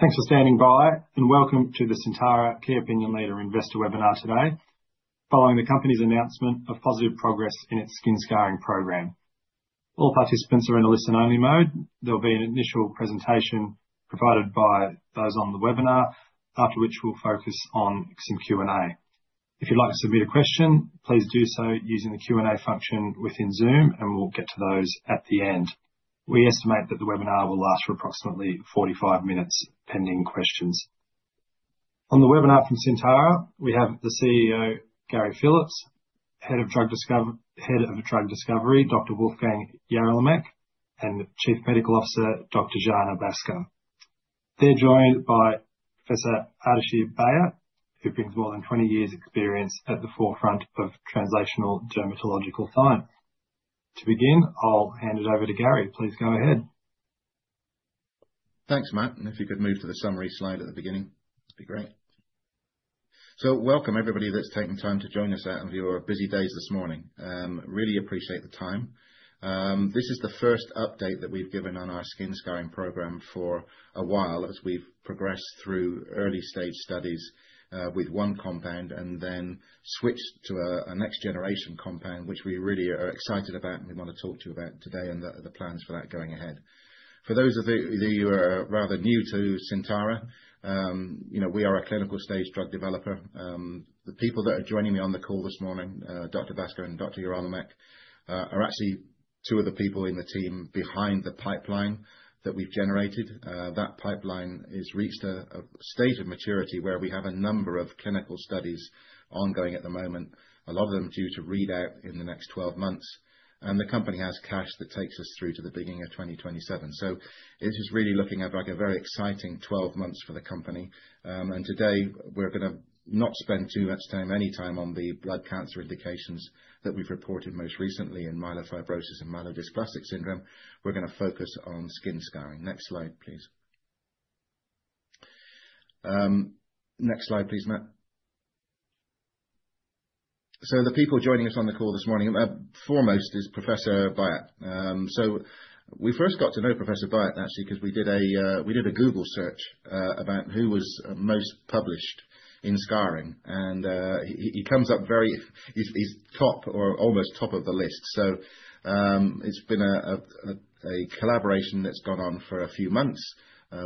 Thanks for standing by, and welcome to the Syntara Care Opinion Leader Investor Webinar Today, following the company's announcement of positive progress in its skin scarring program. All participants are in a listen-only mode. There will be an initial presentation provided by those on the webinar, after which we will focus on some Q&A. If you would like to submit a question, please do so using the Q&A function within Zoom, and we will get to those at the end. We estimate that the webinar will last for approximately 45 minutes, pending questions. On the webinar from Syntara, we have the CEO, Gary Phillips, Head of Drug Discovery, Dr. Wolfgang Jarolimek, and Chief Medical Officer, Dr. Jana Baskar. They are joined by Professor Ardeshir Bayat, who brings more than 20 years' experience at the forefront of translational dermatological science. To begin, I will hand it over to Gary. Please go ahead. Thanks, Matt. If you could move to the summary slide at the beginning, that'd be great. Welcome, everybody that's taken time to join us out of your busy days this morning. Really appreciate the time. This is the first update that we've given on our skin scarring program for a while as we've progressed through early-stage studies with one compound and then switched to a next-generation compound, which we really are excited about and we want to talk to you about today and the plans for that going ahead. For those of you who are rather new to Syntara, we are a clinical-stage drug developer. The people that are joining me on the call this morning, Dr. Baskar and Dr. Jarolimek, are actually two of the people in the team behind the pipeline that we've generated. That pipeline has reached a stage of maturity where we have a number of clinical studies ongoing at the moment, a lot of them due to readout in the next 12 months. The company has cash that takes us through to the beginning of 2027. It is really looking at a very exciting 12 months for the company. Today, we're going to not spend too much time, any time, on the blood cancer indications that we've reported most recently in myelofibrosis and myelodysplastic syndrome. We're going to focus on skin scarring. Next slide, please. Next slide, please, Matt. The people joining us on the call this morning, foremost is Professor Bayat. We first got to know Professor Bayat, actually, because we did a Google search about who was most published in scarring. He comes up very—he's top or almost top of the list. It has been a collaboration that has gone on for a few months.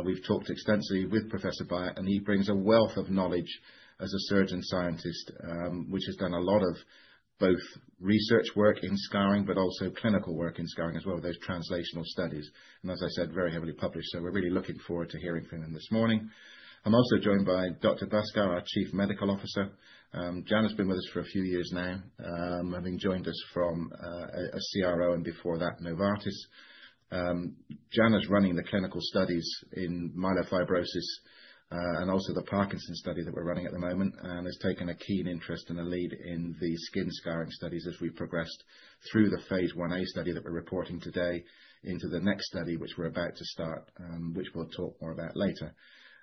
We have talked extensively with Professor Bayat, and he brings a wealth of knowledge as a surgeon-scientist, which has done a lot of both research work in scarring, but also clinical work in scarring, as well as those translational studies. As I said, very heavily published. We are really looking forward to hearing from him this morning. I am also joined by Dr. Baskar, our Chief Medical Officer. Jana has been with us for a few years now, having joined us from a CRO and before that, Novartis. Jana is running the clinical studies in myelofibrosis and also the Parkinson's study that we're running at the moment, and has taken a keen interest and a lead in the skin scarring studies as we progressed through the phase 1a study that we're reporting today into the next study, which we're about to start, which we'll talk more about later.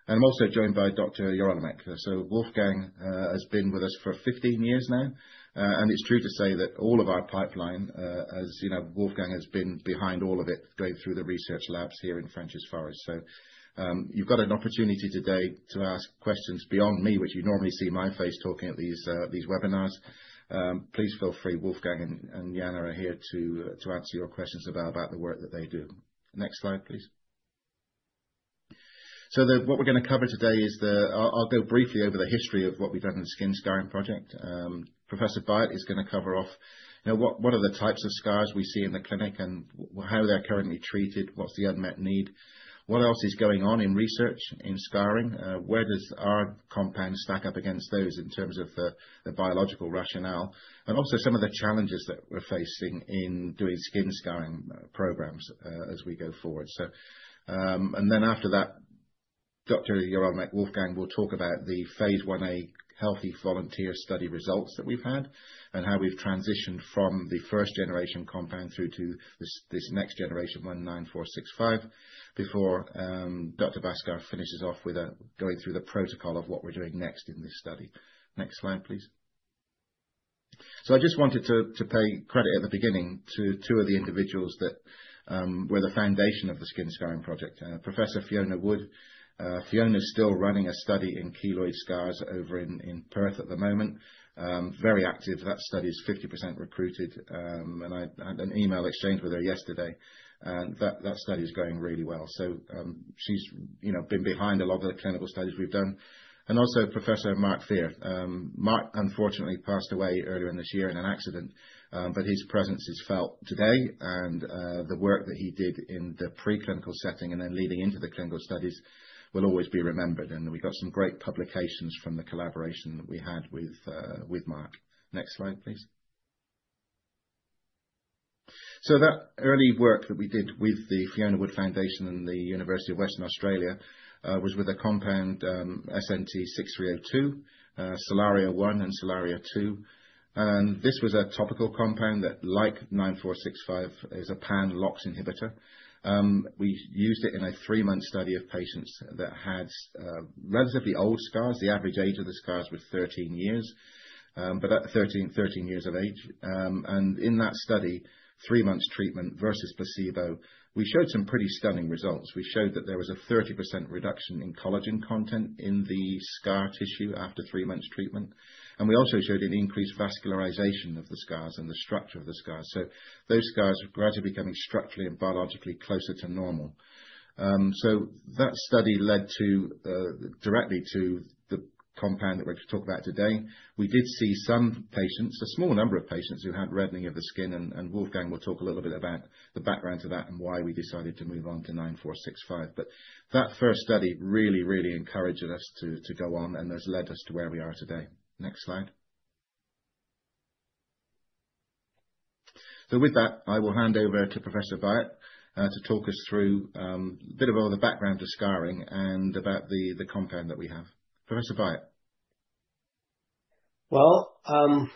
I am also joined by Dr. Jarolimek. Wolfgang has been with us for 15 years now. It is true to say that all of our pipeline, as Wolfgang has been behind all of it, going through the research labs here in Frenchs Forest. You have an opportunity today to ask questions beyond me, which you normally see my face talking at these webinars. Please feel free. Wolfgang and Jana are here to answer your questions about the work that they do. Next slide, please. What we're going to cover today is the—I'll go briefly over the history of what we've done in the skin scarring project. Professor Bayat is going to cover off what are the types of scars we see in the clinic and how they're currently treated, what's the unmet need, what else is going on in research in scarring, where does our compound stack up against those in terms of the biological rationale, and also some of the challenges that we're facing in doing skin scarring programs as we go forward. After that, Dr. Wolfgang Jarolimek will talk about the phase 1a healthy volunteer study results that we've had and how we've transitioned from the first-generation compound through to this next generation, SNT-9465, before Dr. Baskar finishes off with going through the protocol of what we're doing next in this study. Next slide, please. I just wanted to pay credit at the beginning to two of the individuals that were the foundation of the skin scarring project. Professor Fiona Wood. Fiona is still running a study in keloid scars over in Perth at the moment. Very active. That study is 50% recruited. I had an email exchange with her yesterday. That study is going really well. She's been behind a lot of the clinical studies we've done. Also Professor Mark Fear. Mark unfortunately passed away earlier in this year in an accident, but his presence is felt today. The work that he did in the pre-clinical setting and then leading into the clinical studies will always be remembered. We got some great publications from the collaboration that we had with Mark. Next slide, please. That early work that we did with the Fiona Wood Foundation and the University of Western Australia was with a compound, SNT-6302, Solaria I and Solaria II. This was a topical compound that, like 9465, is a pan-LOX inhibitor. We used it in a three-month study of patients that had relatively old scars. The average age of the scars was 13 years, at 13 years of age. In that study, three months treatment versus placebo, we showed some pretty stunning results. We showed that there was a 30% reduction in collagen content in the scar tissue after three months treatment. We also showed an increased vascularization of the scars and the structure of the scars. Those scars gradually becoming structurally and biologically closer to normal. That study led directly to the compound that we're going to talk about today. We did see some patients, a small number of patients, who had reddening of the skin. Wolfgang will talk a little bit about the background to that and why we decided to move on to 9465. That first study really, really encouraged us to go on, and has led us to where we are today. Next slide. I will hand over to Professor Bayat to talk us through a bit of the background to scarring and about the compound that we have. Professor Bayat.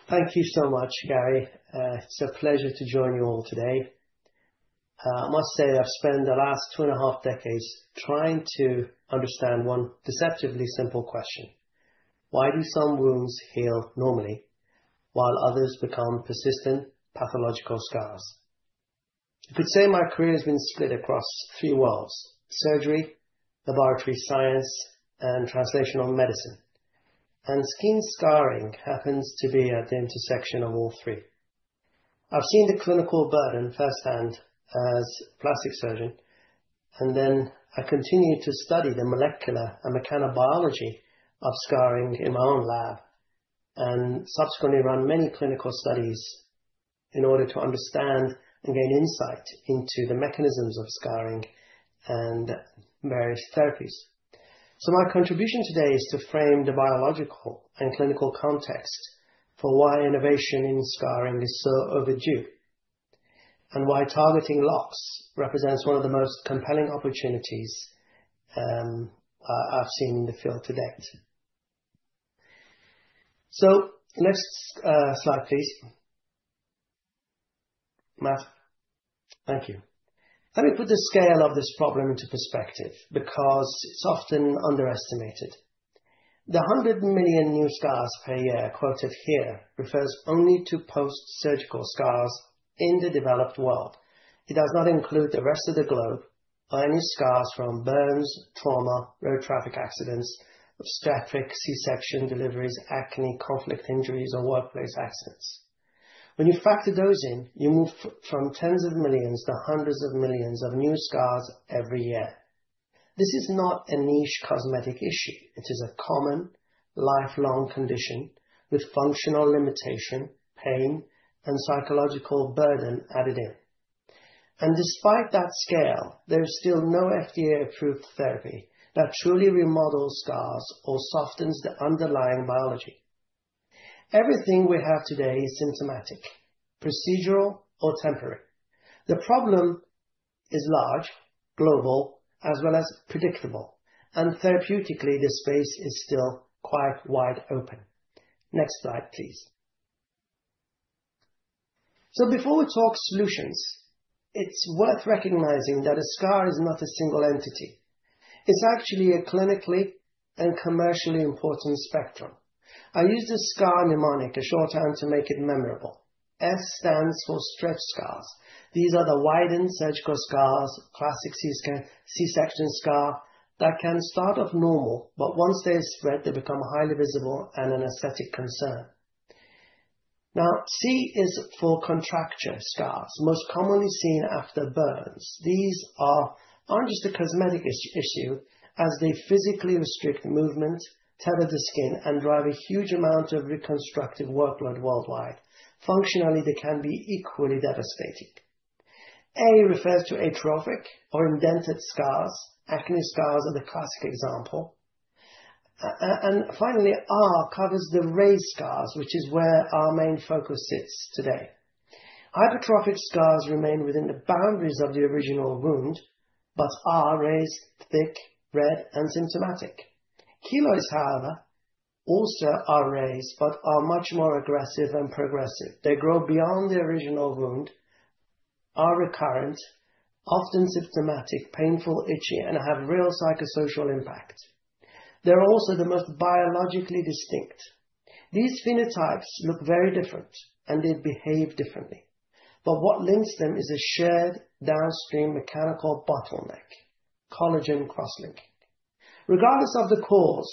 Thank you so much, Gary. It's a pleasure to join you all today. I must say that I've spent the last two and a half decades trying to understand one deceptively simple question: Why do some wounds heal normally while others become persistent pathological scars? You could say my career has been split across three worlds: surgery, laboratory science, and translational medicine. Skin scarring happens to be at the intersection of all three. I've seen the clinical burden firsthand as a plastic surgeon, and then I continued to study the molecular and mechanical biology of scarring in my own lab and subsequently run many clinical studies in order to understand and gain insight into the mechanisms of scarring and various therapies. My contribution today is to frame the biological and clinical context for why innovation in scarring is so overdue, and why targeting LOX represents one of the most compelling opportunities I've seen in the field to date. Next slide, please. Matt. Thank you. Let me put the scale of this problem into perspective because it's often underestimated. The 100 million new scars per year quoted here refers only to post-surgical scars in the developed world. It does not include the rest of the globe or any scars from burns, trauma, road traffic accidents, obstetric, C-section deliveries, acne, conflict injuries, or workplace accidents. When you factor those in, you move from tens of millions to hundreds of millions of new scars every year. This is not a niche cosmetic issue. It is a common, lifelong condition with functional limitation, pain, and psychological burden added in. Despite that scale, there is still no FDA-approved therapy that truly remodels scars or softens the underlying biology. Everything we have today is symptomatic, procedural, or temporary. The problem is large, global, as well as predictable. Therapeutically, the space is still quite wide open. Next slide, please. Before we talk solutions, it's worth recognizing that a scar is not a single entity. It's actually a clinically and commercially important spectrum. I use the scar mnemonic a short time to make it memorable. S stands for stretch scars. These are the widened surgical scars, classic C-section scar that can start off normal, but once they spread, they become highly visible and an aesthetic concern. C is for contracture scars, most commonly seen after burns. These aren't just a cosmetic issue as they physically restrict movement, tether the skin, and drive a huge amount of reconstructive workload worldwide. Functionally, they can be equally devastating. A refers to atrophic or indented scars. Acne scars are the classic example. Finally, R covers the raised scars, which is where our main focus sits today. Hypertrophic scars remain within the boundaries of the original wound, but are raised, thick, red, and symptomatic. Keloids, however, also are raised, but are much more aggressive and progressive. They grow beyond the original wound, are recurrent, often symptomatic, painful, itchy, and have real psychosocial impact. They're also the most biologically distinct. These phenotypes look very different, and they behave differently. What links them is a shared downstream mechanical bottleneck, collagen cross-linking. Regardless of the cause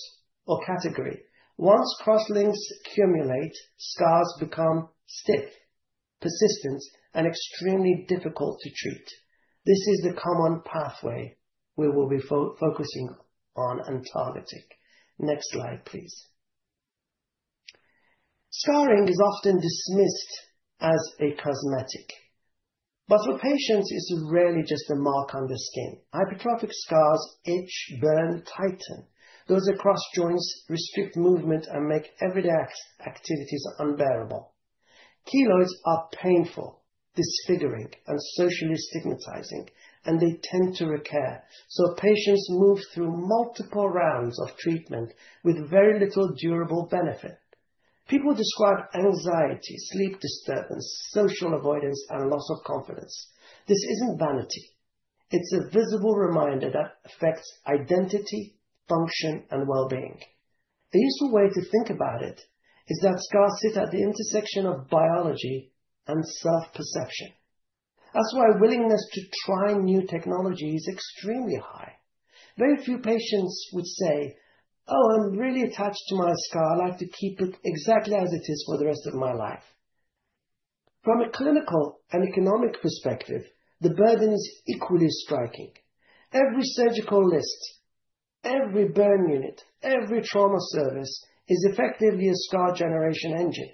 or category, once cross-links accumulate, scars become stiff, persistent, and extremely difficult to treat. This is the common pathway we will be focusing on and targeting. Next slide, please. Scarring is often dismissed as a cosmetic, but for patients, it's rarely just a mark on the skin. Hypertrophic scars itch, burn, tighten. Those across joints restrict movement and make everyday activities unbearable. Keloids are painful, disfiguring, and socially stigmatizing, and they tend to recur. Patients move through multiple rounds of treatment with very little durable benefit. People describe anxiety, sleep disturbance, social avoidance, and loss of confidence. This isn't vanity. It's a visible reminder that affects identity, function, and well-being. The useful way to think about it is that scars sit at the intersection of biology and self-perception. That's why willingness to try new technology is extremely high. Very few patients would say, "Oh, I'm really attached to my scar. I'd like to keep it exactly as it is for the rest of my life." From a clinical and economic perspective, the burden is equally striking. Every surgical list, every burn unit, every trauma service is effectively a scar generation engine.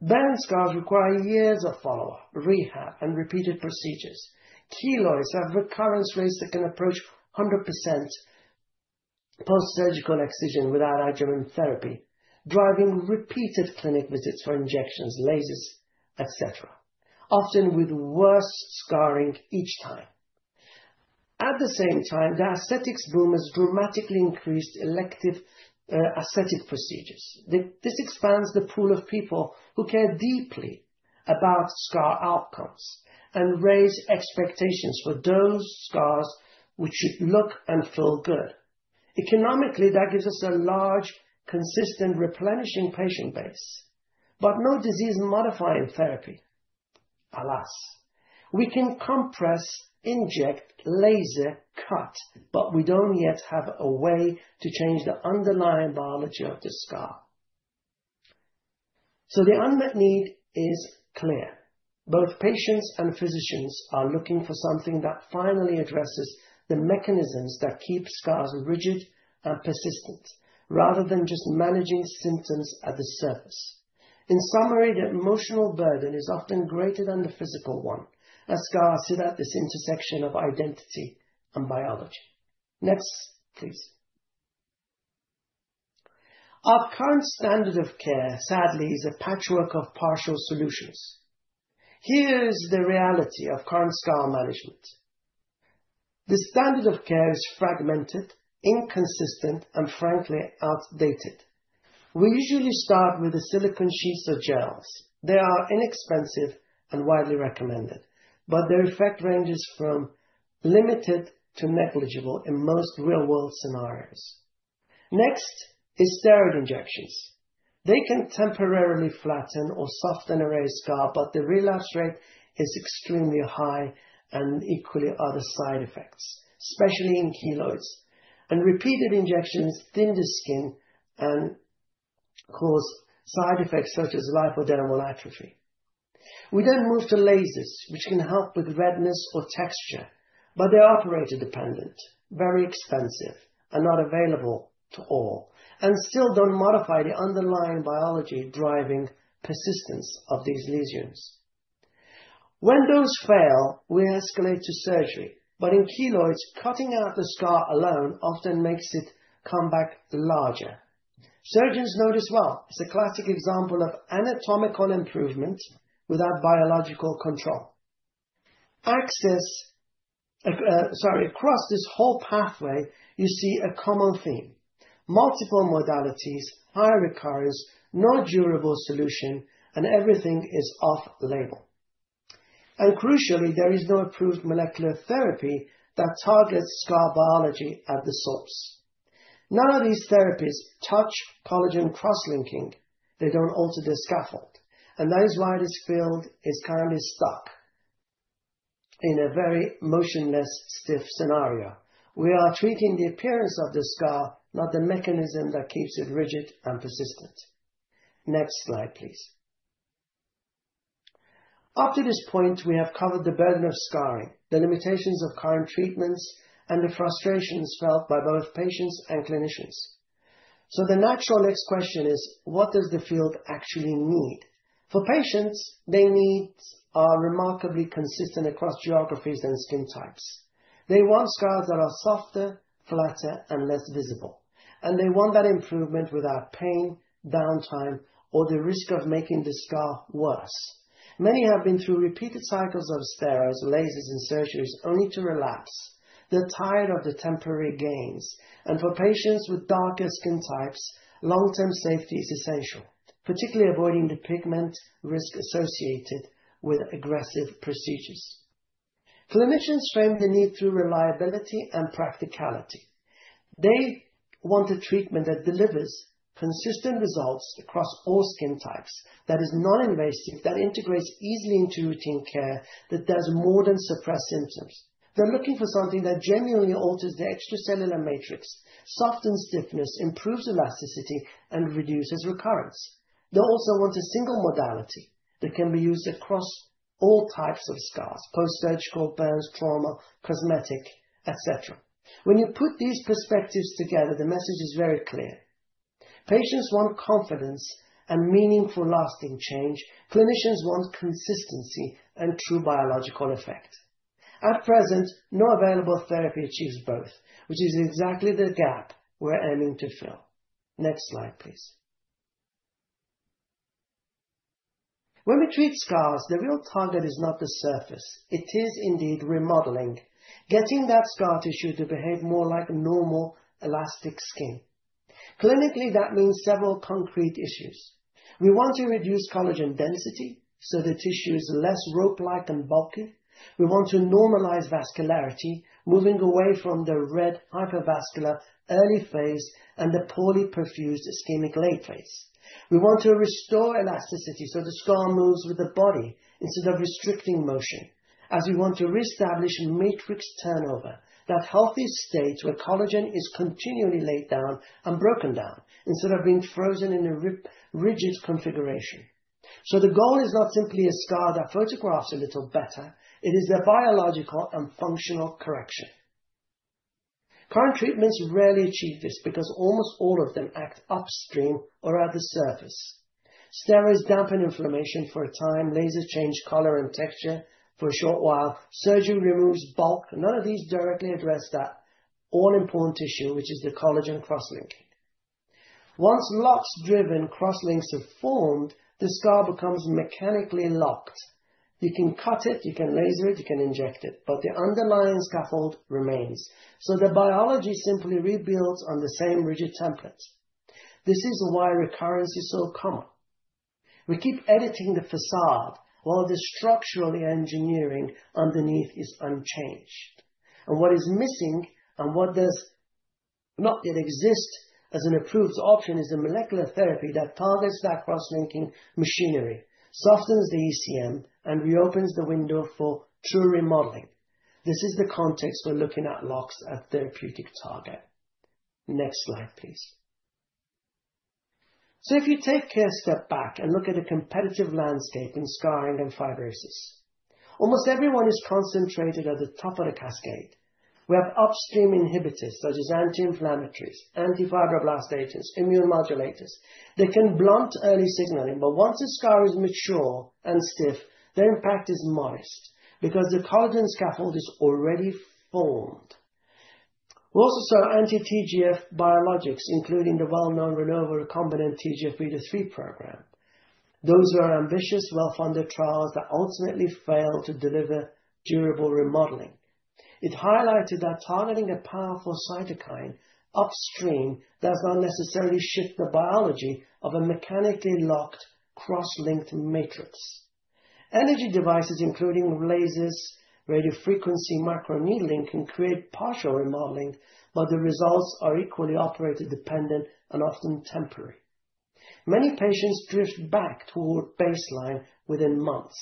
Band scars require years of follow-up, rehab, and repeated procedures. Keloids have recurrence rates that can approach 100% post-surgical excision without adjuvant therapy, driving repeated clinic visits for injections, lasers, etc., often with worse scarring each time. At the same time, the aesthetics boom has dramatically increased elective aesthetic procedures. This expands the pool of people who care deeply about scar outcomes and raise expectations for those scars which should look and feel good. Economically, that gives us a large, consistent, replenishing patient base. No disease-modifying therapy, alas. We can compress, inject, laser, cut, but we don't yet have a way to change the underlying biology of the scar. The unmet need is clear. Both patients and physicians are looking for something that finally addresses the mechanisms that keep scars rigid and persistent, rather than just managing symptoms at the surface. In summary, the emotional burden is often greater than the physical one, as scars sit at this intersection of identity and biology. Next, please. Our current standard of care, sadly, is a patchwork of partial solutions. Here's the reality of current scar management. The standard of care is fragmented, inconsistent, and frankly, outdated. We usually start with the silicone sheets or gels. They are inexpensive and widely recommended, but their effect ranges from limited to negligible in most real-world scenarios. Next is steroid injections. They can temporarily flatten or soften a raised scar, but the relapse rate is extremely high and equally other side effects, especially in keloids. Repeated injections thin the skin and cause side effects such as lipodermal atrophy. We then move to lasers, which can help with redness or texture, but they're operator-dependent, very expensive, and not available to all, and still don't modify the underlying biology driving persistence of these lesions. When those fail, we escalate to surgery. In keloids, cutting out the scar alone often makes it come back larger. Surgeons know this well. It's a classic example of anatomical improvement without biological control. Across this whole pathway, you see a common theme: multiple modalities, high recurrence, no durable solution, and everything is off-label. Crucially, there is no approved molecular therapy that targets scar biology at the source. None of these therapies touch collagen cross-linking. They don't alter the scaffold. That is why this field is currently stuck in a very motionless, stiff scenario. We are treating the appearance of the scar, not the mechanism that keeps it rigid and persistent. Next slide, please. Up to this point, we have covered the burden of scarring, the limitations of current treatments, and the frustrations felt by both patients and clinicians. The natural next question is, what does the field actually need? For patients, their needs are remarkably consistent across geographies and skin types. They want scars that are softer, flatter, and less visible. They want that improvement without pain, downtime, or the risk of making the scar worse. Many have been through repeated cycles of steroids, lasers, and surgeries only to relapse. They're tired of the temporary gains. For patients with darker skin types, long-term safety is essential, particularly avoiding the pigment risk associated with aggressive procedures. Clinicians frame the need through reliability and practicality. They want a treatment that delivers consistent results across all skin types, that is non-invasive, that integrates easily into routine care, that does more than suppress symptoms. They're looking for something that genuinely alters the extracellular matrix, softens stiffness, improves elasticity, and reduces recurrence. They also want a single modality that can be used across all types of scars: post-surgical, burns, trauma, cosmetic, etc. When you put these perspectives together, the message is very clear. Patients want confidence and meaningful lasting change. Clinicians want consistency and true biological effect. At present, no available therapy achieves both, which is exactly the gap we're aiming to fill. Next slide, please. When we treat scars, the real target is not the surface. It is indeed remodeling, getting that scar tissue to behave more like normal elastic skin. Clinically, that means several concrete issues. We want to reduce collagen density so the tissue is less rope-like and bulky. We want to normalize vascularity, moving away from the red hypervascular early phase and the poorly perfused ischemic late phase. We want to restore elasticity so the scar moves with the body instead of restricting motion, as we want to reestablish matrix turnover, that healthy state where collagen is continually laid down and broken down instead of being frozen in a rigid configuration. The goal is not simply a scar that photographs a little better. It is a biological and functional correction. Current treatments rarely achieve this because almost all of them act upstream or at the surface. Steroids dampen inflammation for a time. Lasers change color and texture for a short while. Surgery removes bulk. None of these directly address that all-important tissue, which is the collagen cross-linking. Once locked-driven cross-links are formed, the scar becomes mechanically locked. You can cut it, you can laser it, you can inject it, but the underlying scaffold remains. The biology simply rebuilds on the same rigid template. This is why recurrence is so common. We keep editing the facade while the structural engineering underneath is unchanged. What is missing and what does not yet exist as an approved option is the molecular therapy that targets that cross-linking machinery, softens the ECM, and reopens the window for true remodeling. This is the context we're looking at LOX as therapeutic target. Next slide, please. If you take a step back and look at the competitive landscape in scarring and fibrosis, almost everyone is concentrated at the top of the cascade. We have upstream inhibitors such as anti-inflammatories, anti-fibroblast agents, immune modulators that can blunt early signaling. Once a scar is mature and stiff, their impact is modest because the collagen scaffold is already formed. We also saw anti-TGF biologics, including the well-known Renova Recombinant TGF-β3 program. Those were ambitious, well-funded trials that ultimately failed to deliver durable remodeling. It highlighted that targeting a powerful cytokine upstream does not necessarily shift the biology of a mechanically locked cross-linked matrix. Energy devices, including lasers, radiofrequency microneedling, can create partial remodeling, but the results are equally operator-dependent and often temporary. Many patients drift back toward baseline within months.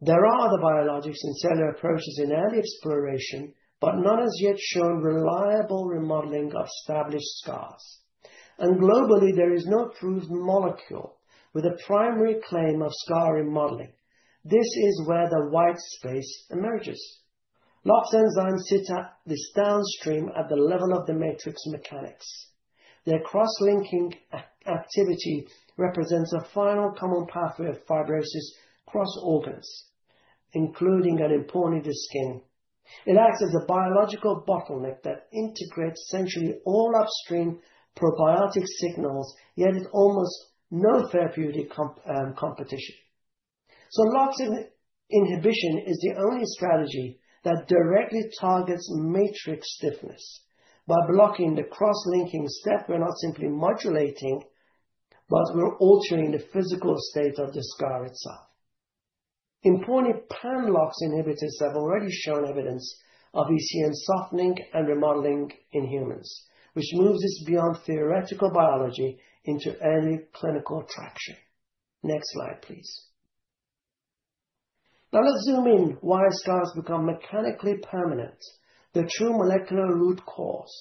There are other biologics and cellular approaches in early exploration, but none has yet shown reliable remodeling of established scars. Globally, there is no proved molecule with a primary claim of scar remodeling. This is where the white space emerges. LOX enzymes sit at this downstream at the level of the matrix mechanics. Their cross-linking activity represents a final common pathway of fibrosis across organs, including and importantly the skin. It acts as a biological bottleneck that integrates essentially all upstream profibrotic signals, yet it's almost no therapeutic competition. Locks inhibition is the only strategy that directly targets matrix stiffness. By blocking the cross-linking step, we're not simply modulating, but we're altering the physical state of the scar itself. Importantly, pan-LOX inhibitors have already shown evidence of ECM softening and remodeling in humans, which moves us beyond theoretical biology into early clinical traction. Next slide, please. Now let's zoom in. Why do scars become mechanically permanent? The true molecular root cause.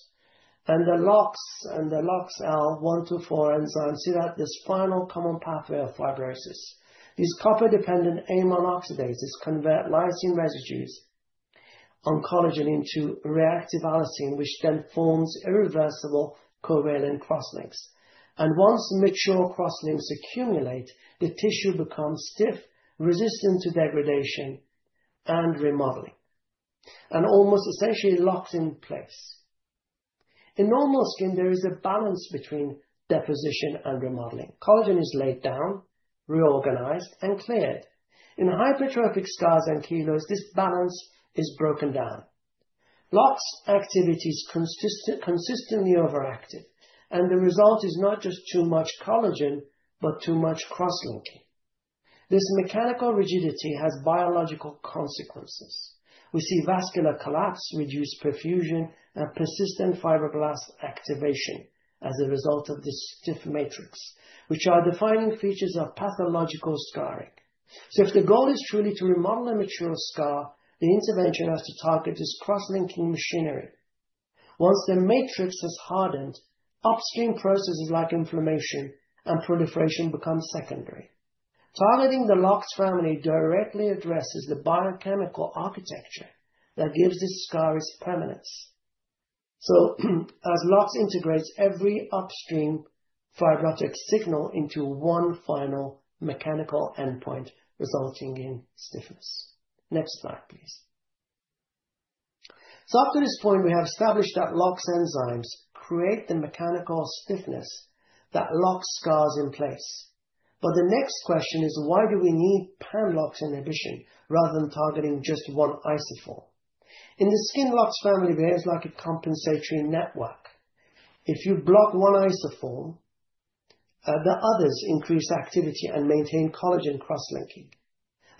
The LOX and the LOXL1 through four enzymes sit at this final common pathway of fibrosis. These copper-dependent amine oxidase convert lysine residues on collagen into reactive allysine, which then forms irreversible covalent cross-links. Once mature cross-links accumulate, the tissue becomes stiff, resistant to degradation and remodeling, and almost essentially locks in place. In normal skin, there is a balance between deposition and remodeling. Collagen is laid down, reorganized, and cleared. In hypertrophic scars and keloids, this balance is broken down. LOX activity is consistently overactive, and the result is not just too much collagen, but too much cross-linking. This mechanical rigidity has biological consequences. We see vascular collapse, reduced perfusion, and persistent fibroblast activation as a result of this stiff matrix, which are defining features of pathological scarring. If the goal is truly to remodel a mature scar, the intervention has to target this cross-linking machinery. Once the matrix has hardened, upstream processes like inflammation and proliferation become secondary. Targeting the LOX family directly addresses the biochemical architecture that gives this scar its permanence. As LOX integrates every upstream fibrotic signal into one final mechanical endpoint resulting in stiffness. Next slide, please. Up to this point, we have established that LOX enzymes create the mechanical stiffness that locks scars in place. The next question is, why do we need pan-LOX inhibition rather than targeting just one isoform? In the skin, the LOX family behaves like a compensatory network. If you block one isoform, the others increase activity and maintain collagen cross-linking.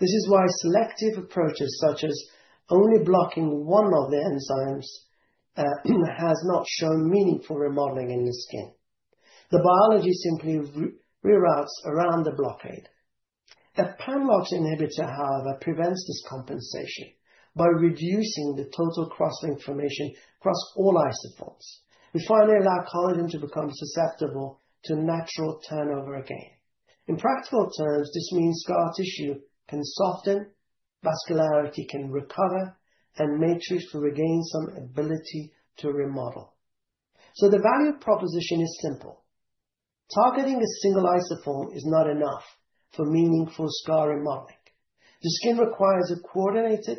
This is why selective approaches such as only blocking one of the enzymes have not shown meaningful remodeling in the skin. The biology simply reroutes around the blockade. A pan-LOX inhibitor, however, prevents this compensation by reducing the total cross-linked formation across all isoforms. We finally allow collagen to become susceptible to natural turnover again. In practical terms, this means scar tissue can soften, vascularity can recover, and matrix will regain some ability to remodel. The value proposition is simple. Targeting a single isoform is not enough for meaningful scar remodeling. The skin requires a coordinated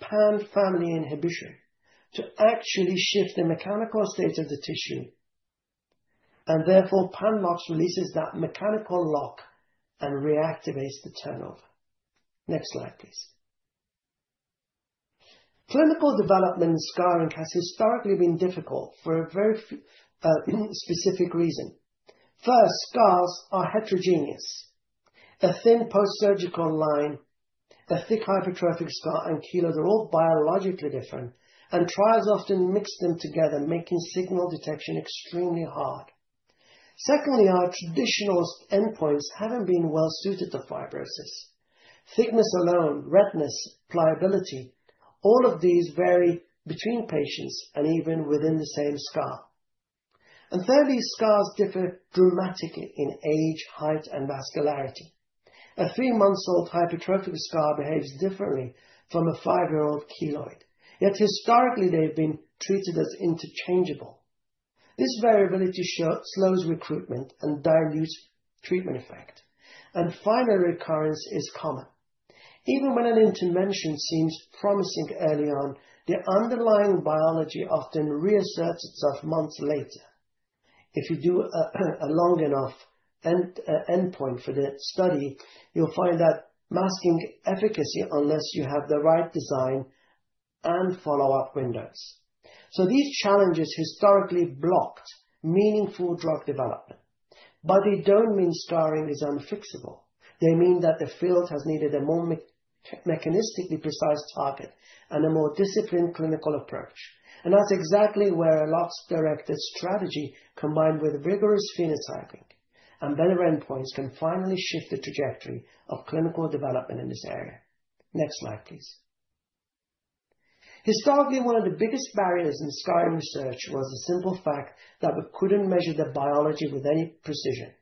pan family inhibition to actually shift the mechanical state of the tissue. Therefore, pan-LOX releases that mechanical lock and reactivates the turnover. Next slide, please. Clinical development in scarring has historically been difficult for a very specific reason. First, scars are heterogeneous. A thin post-surgical line, a thick hypertrophic scar, and keloid are all biologically different, and trials often mix them together, making signal detection extremely hard. Secondly, our traditional endpoints have not been well suited to fibrosis. Thickness alone, redness, pliability, all of these vary between patients and even within the same scar. Thirdly, scars differ dramatically in age, height, and vascularity. A three-month-old hypertrophic scar behaves differently from a five-year-old keloid. Yet historically, they've been treated as interchangeable. This variability slows recruitment and dilutes treatment effect. Finally, recurrence is common. Even when an intervention seems promising early on, the underlying biology often reasserts itself months later. If you do a long enough endpoint for the study, you'll find that masking efficacy unless you have the right design and follow-up windows. These challenges historically blocked meaningful drug development. They do not mean scarring is unfixable. They mean that the field has needed a more mechanistically precise target and a more disciplined clinical approach. That is exactly where a LOX-directed strategy combined with rigorous phenotyping and better endpoints can finally shift the trajectory of clinical development in this area. Next slide, please. Historically, one of the biggest barriers in scarring research was the simple fact that we couldn't measure the biology with any precision.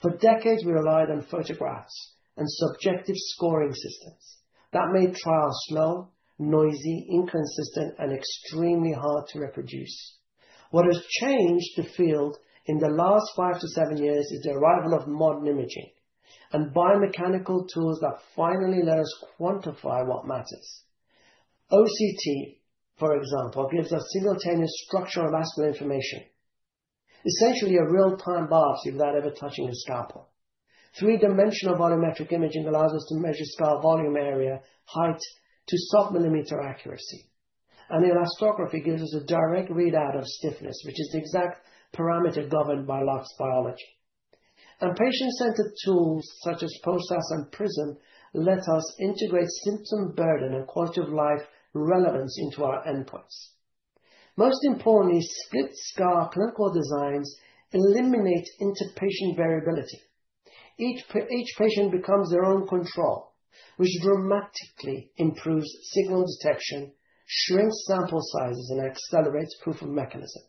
For decades, we relied on photographs and subjective scoring systems that made trials slow, noisy, inconsistent, and extremely hard to reproduce. What has changed the field in the last five to seven years is the arrival of modern imaging and biomechanical tools that finally let us quantify what matters. OCT, for example, gives us simultaneous structural vascular information, essentially a real-time biopsy without ever touching a scalpel. Three-dimensional volumetric imaging allows us to measure scar volume, area, height to sub-millimeter accuracy. Elastography gives us a direct readout of stiffness, which is the exact parameter governed by LOX biology. Patient-centered tools such as POSAS and PRISM let us integrate symptom burden and quality of life relevance into our endpoints. Most importantly, split scar clinical designs eliminate interpatient variability. Each patient becomes their own control, which dramatically improves signal detection, shrinks sample sizes, and accelerates proof of mechanism.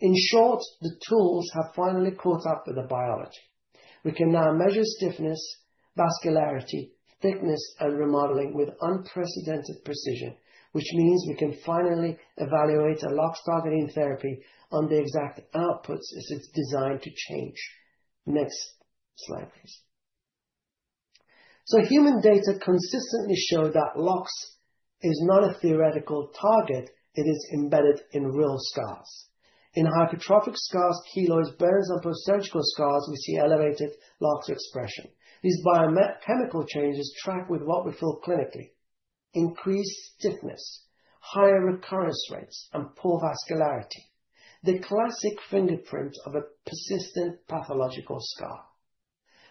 In short, the tools have finally caught up with the biology. We can now measure stiffness, vascularity, thickness, and remodeling with unprecedented precision, which means we can finally evaluate a LOX targeting therapy on the exact outputs as it's designed to change. Next slide, please. Human data consistently show that LOX is not a theoretical target. It is embedded in real scars. In hypertrophic scars, keloids, burns, and post-surgical scars, we see elevated LOX expression. These biochemical changes track with what we feel clinically: increased stiffness, higher recurrence rates, and poor vascularity. The classic fingerprint of a persistent pathological scar.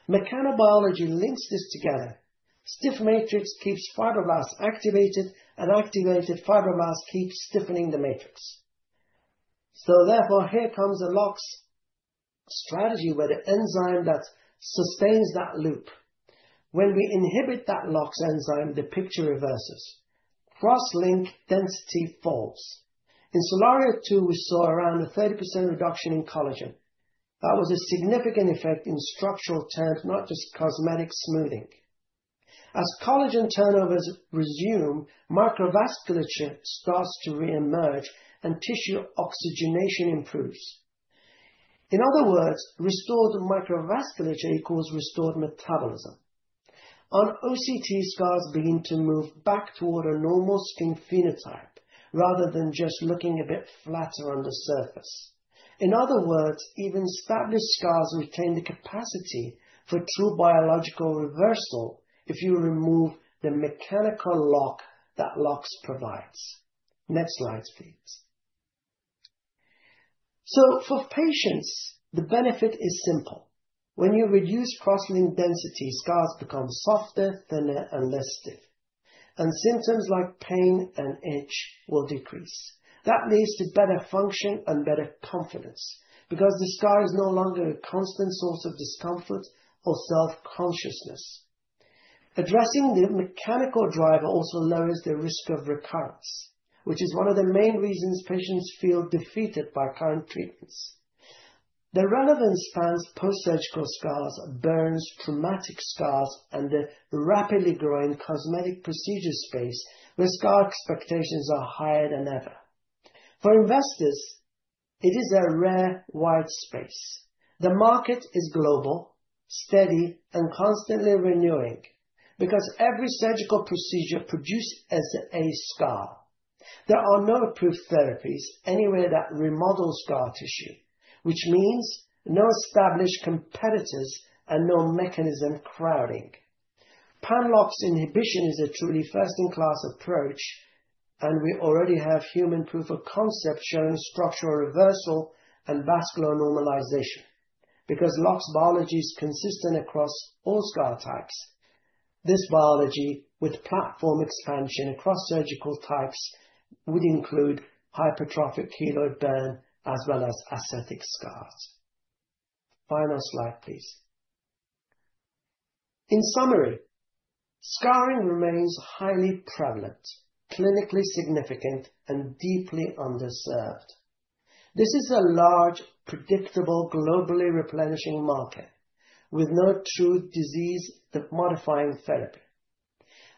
Mechanobiology links this together. Stiff matrix keeps fibroblasts activated, and activated fibroblasts keep stiffening the matrix. Therefore, here comes a LOX strategy where the enzyme that sustains that loop. When we inhibit that LOX enzyme, the picture reverses. Cross-link density falls. In SOLARIA II, we saw around a 30% reduction in collagen. That was a significant effect in structural terms, not just cosmetic smoothing. As collagen turnover resumes, microvasculature starts to reemerge, and tissue oxygenation improves. In other words, restored microvasculature equals restored metabolism. On OCT, scars begin to move back toward a normal skin phenotype rather than just looking a bit flatter on the surface. In other words, even established scars retain the capacity for true biological reversal if you remove the mechanical lock that LOX provides. Next slide, please. For patients, the benefit is simple. When you reduce cross-link density, scars become softer, thinner, and less stiff. Symptoms like pain and itch will decrease. That leads to better function and better confidence because the scar is no longer a constant source of discomfort or self-consciousness. Addressing the mechanical driver also lowers the risk of recurrence, which is one of the main reasons patients feel defeated by current treatments. The relevance spans post-surgical scars, burns, traumatic scars, and the rapidly growing cosmetic procedure space where scar expectations are higher than ever. For investors, it is a rare white space. The market is global, steady, and constantly renewing because every surgical procedure produces a scar. There are no approved therapies anywhere that remodel scar tissue, which means no established competitors and no mechanism crowding. Pan-LOX inhibition is a truly first-in-class approach, and we already have human proof of concept showing structural reversal and vascular normalization because LOX biology is consistent across all scar types. This biology with platform expansion across surgical types would include hypertrophic, keloid, burn, as well as atrophic scars. Final slide, please. In summary, scarring remains highly prevalent, clinically significant, and deeply underserved. This is a large, predictable, globally replenishing market with no true disease-modifying therapy.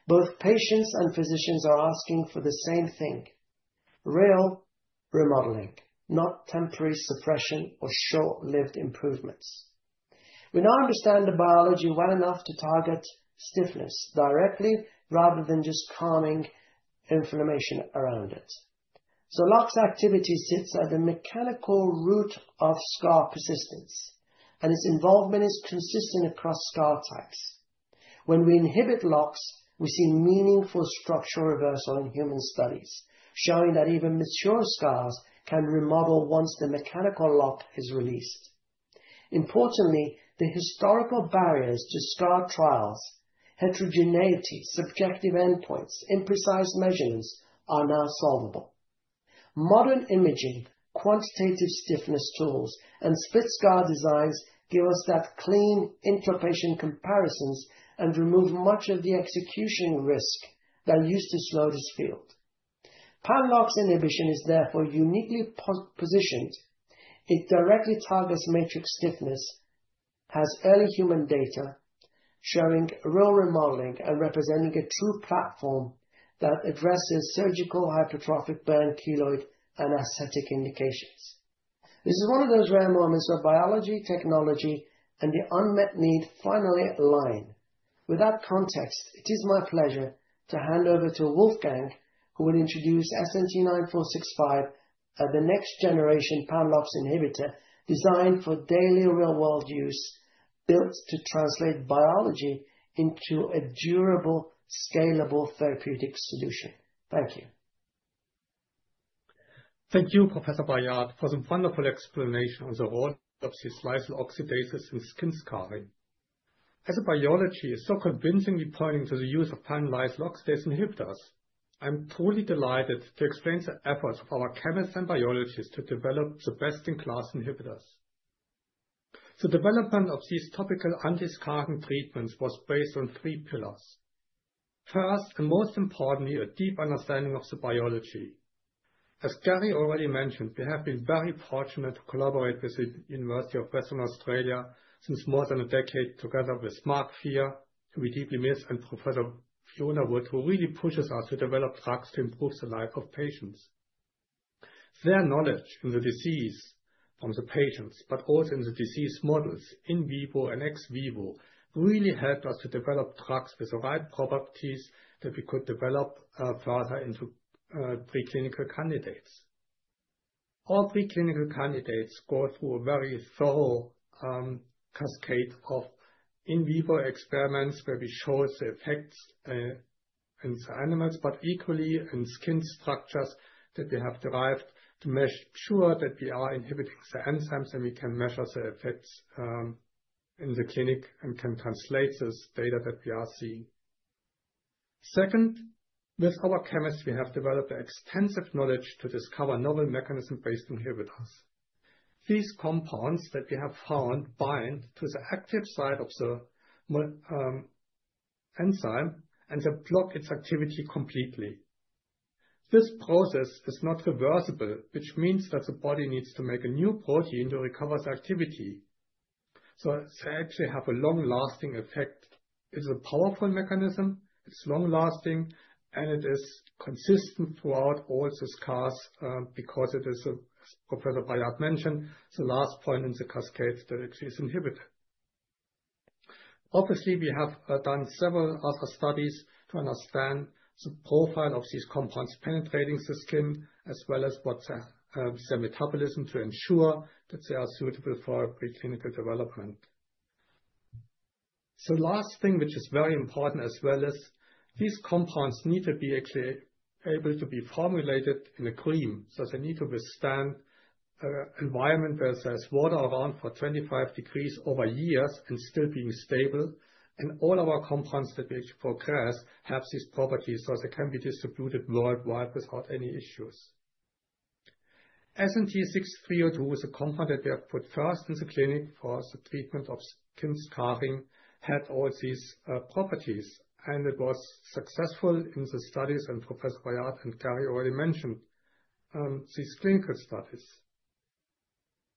Both patients and physicians are asking for the same thing: real remodeling, not temporary suppression or short-lived improvements. We now understand the biology well enough to target stiffness directly rather than just calming inflammation around it. LOX activity sits at the mechanical root of scar persistence, and its involvement is consistent across scar types. When we inhibit LOX, we see meaningful structural reversal in human studies, showing that even mature scars can remodel once the mechanical lock is released. Importantly, the historical barriers to scar trials—heterogeneity, subjective endpoints, imprecise measurements—are now solvable. Modern imaging, quantitative stiffness tools, and split scar designs give us that clean interpatient comparisons and remove much of the execution risk that used to slow this field. Pan-LOX inhibition is therefore uniquely positioned. It directly targets matrix stiffness, has early human data showing real remodeling and representing a true platform that addresses surgical, hypertrophic, burn, keloid, and aesthetic indications. This is one of those rare moments where biology, technology, and the unmet need finally align. With that context, it is my pleasure to hand over to Wolfgang, who will introduce SNT-9465, the next-generation pan-LOX inhibitor designed for daily real-world use, built to translate biology into a durable, scalable therapeutic solution. Thank you. Thank you, Professor Bayat, for some wonderful explanation on the role of this lysyl oxidase in skin scarring. As a biologist so convincingly pointing to the use of pan-Lysyl Oxidase inhibitors, I'm truly delighted to explain the efforts of our chemists and biologists to develop the best-in-class inhibitors. The development of these topical anti-scarring treatments was based on three pillars. First, and most importantly, a deep understanding of the biology. As Gary already mentioned, we have been very fortunate to collaborate with the University of Western Australia since more than a decade together with Mark Fear, who we deeply miss, and Professor Fiona Wood, who really pushes us to develop drugs to improve the life of patients. Their knowledge in the disease from the patients, but also in the disease models in vivo and ex vivo, really helped us to develop drugs with the right properties that we could develop further into preclinical candidates. All preclinical candidates go through a very thorough cascade of in vivo experiments where we show the effects in the animals, but equally in skin structures that we have derived to make sure that we are inhibiting the enzymes and we can measure the effects in the clinic and can translate this data that we are seeing. Second, with our chemists, we have developed extensive knowledge to discover novel mechanism-based inhibitors. These compounds that we have found bind to the active site of the enzyme and block its activity completely. This process is not reversible, which means that the body needs to make a new protein to recover the activity. They actually have a long-lasting effect. It is a powerful mechanism. It's long-lasting, and it is consistent throughout all the scars because it is, as Professor Bayat mentioned, the last point in the cascade that it is inhibited. Obviously, we have done several other studies to understand the profile of these compounds penetrating the skin as well as what's their metabolism to ensure that they are suitable for preclinical development. The last thing, which is very important as well, is these compounds need to be able to be formulated in a cream. They need to withstand an environment where there's water around for 25 degrees over years and still being stable. All our compounds that we progress have these properties so they can be distributed worldwide without any issues. SNT-6302 is a compound that we have put first in the clinic for the treatment of skin scarring that had all these properties. It was successful in the studies and Professor Bayat and Gary already mentioned these clinical studies.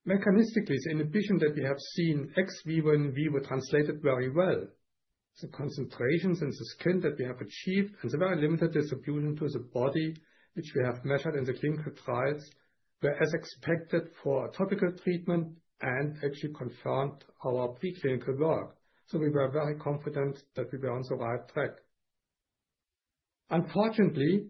Mechanistically, the inhibition that we have seen ex vivo and in vivo translated very well. The concentrations in the skin that we have achieved and the very limited distribution to the body, which we have measured in the clinical trials, were as expected for a topical treatment and actually confirmed our preclinical work. We were very confident that we were on the right track. Unfortunately,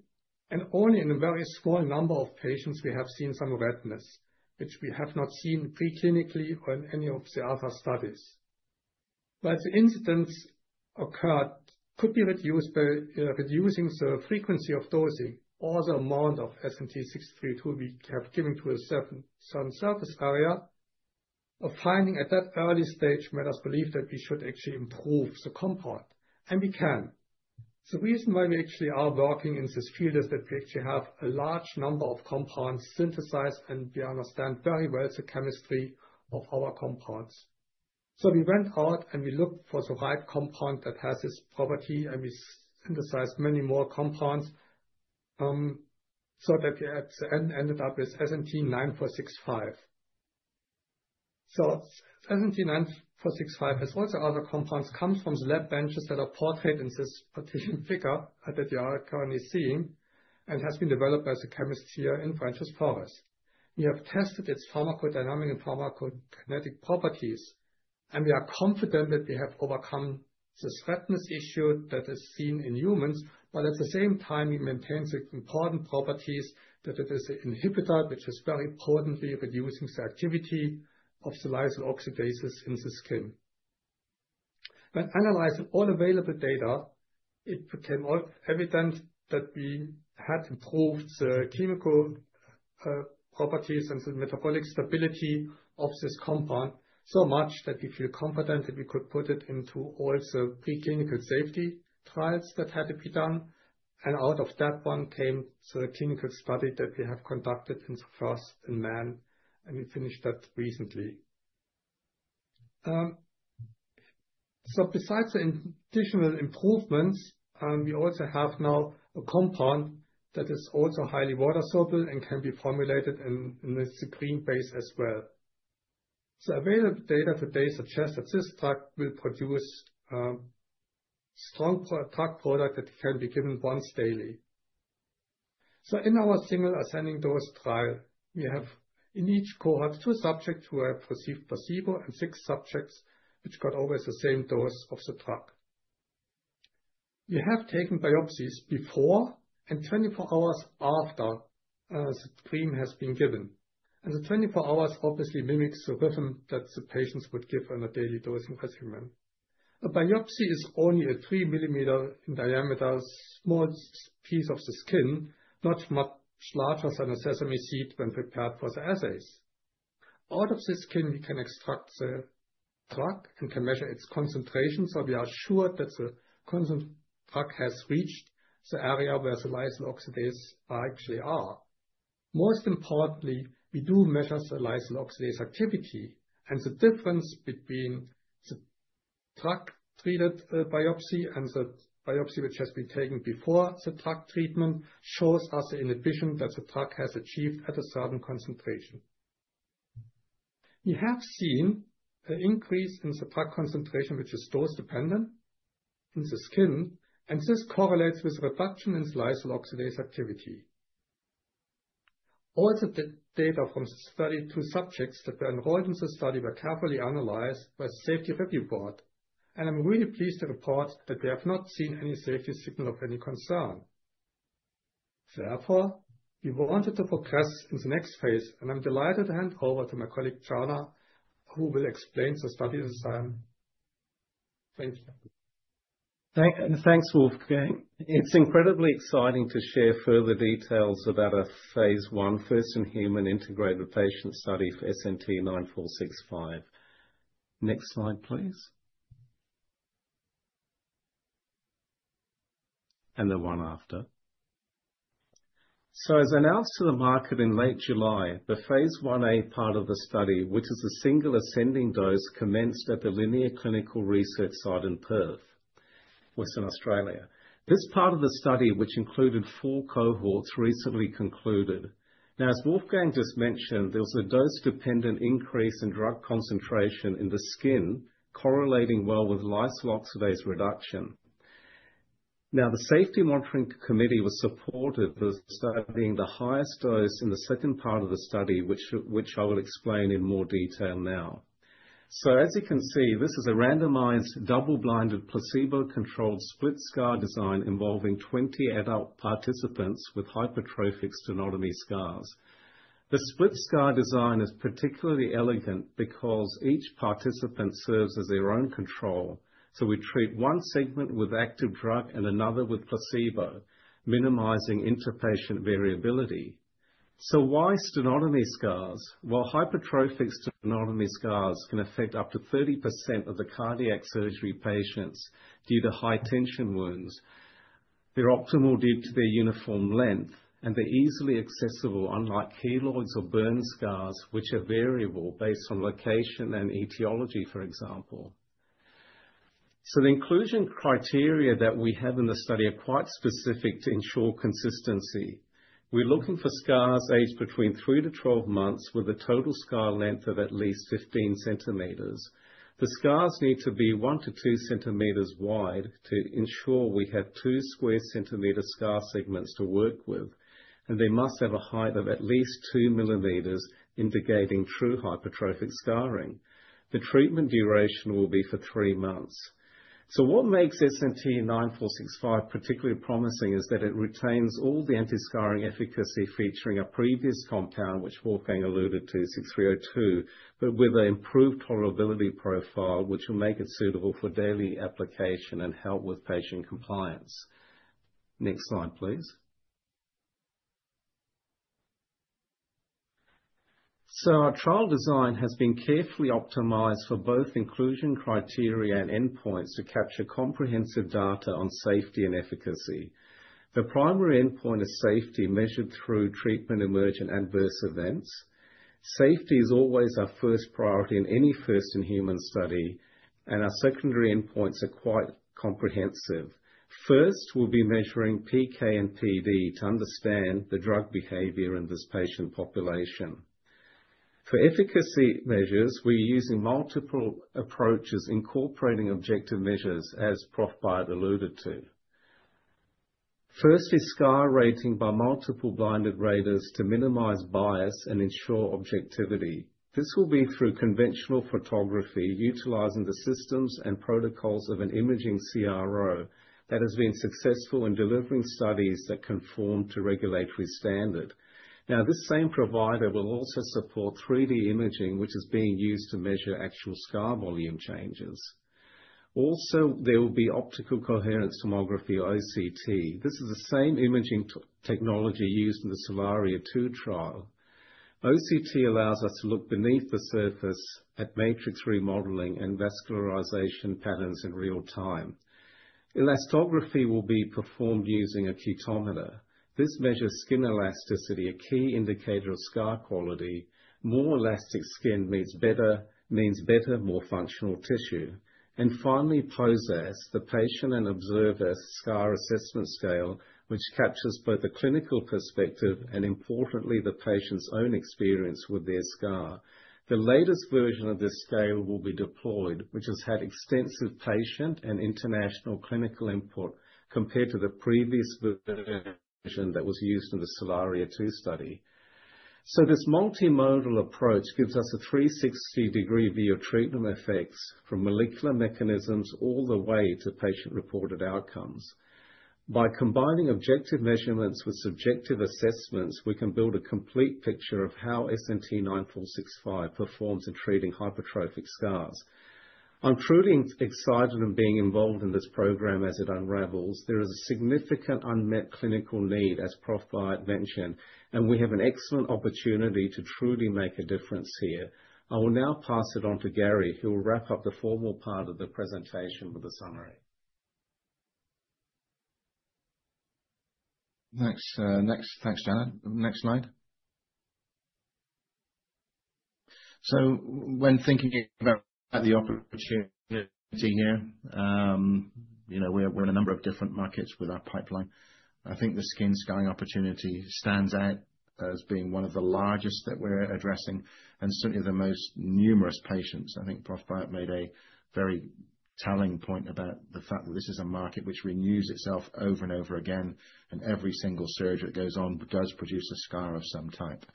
and only in a very small number of patients, we have seen some redness, which we have not seen preclinically or in any of the other studies. Where the incidence occurred could be reduced by reducing the frequency of dosing or the amount of SNT-6302 we have given to a certain surface area. Finding at that early stage made us believe that we should actually improve the compound. We can. The reason why we actually are working in this field is that we actually have a large number of compounds synthesized and we understand very well the chemistry of our compounds. We went out and we looked for the right compound that has this property and we synthesized many more compounds so that we at the end ended up with SNT-9465. SNT-9465 has also other compounds that come from the lab benches that are portrayed in this particular figure that you are currently seeing and has been developed by the chemist here in Frenchs Forest. We have tested its pharmacodynamic and pharmacokinetic properties. We are confident that we have overcome this redness issue that is seen in humans, but at the same time, it maintains important properties that it is an inhibitor, which is very importantly reducing the activity of the Lysyl Oxidase in the skin. When analyzing all available data, it became evident that we had improved the chemical properties and the metabolic stability of this compound so much that we feel confident that we could put it into all the preclinical safety trials that had to be done. Out of that one came the clinical study that we have conducted in the first in man, and we finished that recently. Besides the additional improvements, we also have now a compound that is also highly water-soluble and can be formulated in the green base as well. Available data today suggests that this drug will produce a strong drug product that can be given once daily. In our single ascending dose trial, we have in each cohort two subjects who have received placebo and six subjects which got always the same dose of the drug. We have taken biopsies before and 24 hours after the cream has been given. The 24 hours obviously mimics the rhythm that the patients would give on a daily dosing regimen. A biopsy is only a three mm diameter small piece of the skin, not much larger than a sesame seed when prepared for the assays. Out of the skin, we can extract the drug and can measure its concentration so we are sure that the drug has reached the area where the Lysyl Oxidase actually is. Most importantly, we do measure the Lysyl Oxidase activity. The difference between the drug-treated biopsy and the biopsy which has been taken before the drug treatment shows us the inhibition that the drug has achieved at a certain concentration. We have seen an increase in the drug concentration, which is dose-dependent, in the skin. This correlates with a reduction in Lysyl Oxidase activity. Also, the data from the study, two subjects that were enrolled in the study were carefully analyzed by the Safety Review Board. I am really pleased to report that we have not seen any safety signal of any concern. Therefore, we wanted to progress in the next phase. I am delighted to hand over to my colleague Jana, who will explain the study in a second. Thank you. Thanks, Wolfgang. It's incredibly exciting to share further details about a phase I, first in human integrated patient study for SNT-9465. Next slide, please. The one after. As announced to the market in late July, the phase I a part of the study, which is a single ascending dose, commenced at the Linear Clinical Research Site in Perth, Western Australia. This part of the study, which included four cohorts, recently concluded. Now, as Wolfgang just mentioned, there was a dose-dependent increase in drug concentration in the skin correlating well with Lysyl Oxidase reduction. The Safety Monitoring Committee was supported with studying the highest dose in the second part of the study, which I will explain in more detail now. As you can see, this is a randomized double-blinded placebo-controlled split scar design involving 20 adult participants with hypertrophic sternotomy scars. The split scar design is particularly elegant because each participant serves as their own control. We treat one segment with active drug and another with placebo, minimizing interpatient variability. Why sternotomy scars? Hypertrophic sternotomy scars can affect up to 30% of the cardiac surgery patients due to high-tension wounds. They're optimal due to their uniform length, and they're easily accessible, unlike keloid or burn scars, which are variable based on location and etiology, for example. The inclusion criteria that we have in the study are quite specific to ensure consistency. We're looking for scars aged between three to 12 months with a total scar length of at least 15 centimeters. The scars need to be one to two centimeters wide to ensure we have two square-centimeter scar segments to work with. They must have a height of at least two millimeters indicating true hypertrophic scarring. The treatment duration will be for three months. What makes SNT-9465 particularly promising is that it retains all the anti-scarring efficacy featuring a previous compound, which Wolfgang alluded to, 6302, but with an improved tolerability profile, which will make it suitable for daily application and help with patient compliance. Next slide, please. Our trial design has been carefully optimized for both inclusion criteria and endpoints to capture comprehensive data on safety and efficacy. The primary endpoint is safety measured through treatment, emergent, and burst events. Safety is always our first priority in any first-in-human study. Our secondary endpoints are quite comprehensive. First, we'll be measuring PK and PD to understand the drug behavior in this patient population. For efficacy measures, we're using multiple approaches incorporating objective measures, as Prof. Bayat alluded to. First is scar rating by multiple blinded raters to minimize bias and ensure objectivity. This will be through conventional photography utilizing the systems and protocols of an imaging CRO that has been successful in delivering studies that conform to regulatory standard. This same provider will also support 3D imaging, which is being used to measure actual scar volume changes. Also, there will be Optical Coherence Tomography, OCT. This is the same imaging technology used in the SOLARIA II trial. OCT allows us to look beneath the surface at matrix remodeling and vascularization patterns in real time. Elastography will be performed using a cutometer. This measures skin elasticity, a key indicator of scar quality. More elastic skin means better, more functional tissue. Finally, POSAS, the Patient and Observer Scar Assessment Scale, which captures both the clinical perspective and, importantly, the patient's own experience with their scar. The latest version of this scale will be deployed, which has had extensive patient and international clinical input compared to the previous version that was used in the SOLARIA II study. This multimodal approach gives us a 360-degree view of treatment effects from molecular mechanisms all the way to patient-reported outcomes. By combining objective measurements with subjective assessments, we can build a complete picture of how SNT-9465 performs in treating hypertrophic scars. I'm truly excited and being involved in this program as it unravels. There is a significant unmet clinical need, as Prof. Bayat mentioned, and we have an excellent opportunity to truly make a difference here. I will now pass it on to Gary, who will wrap up the formal part of the presentation with a summary. Thanks. Thanks, Jana. Next slide. When thinking about the opportunity here, you know we're in a number of different markets with our pipeline. I think the skin scarring opportunity stands out as being one of the largest that we're addressing and certainly the most numerous patients. I think Prof. Bayat made a very telling point about the fact that this is a market which renews itself over and over again. Every single surgery that goes on does produce a scar of some type.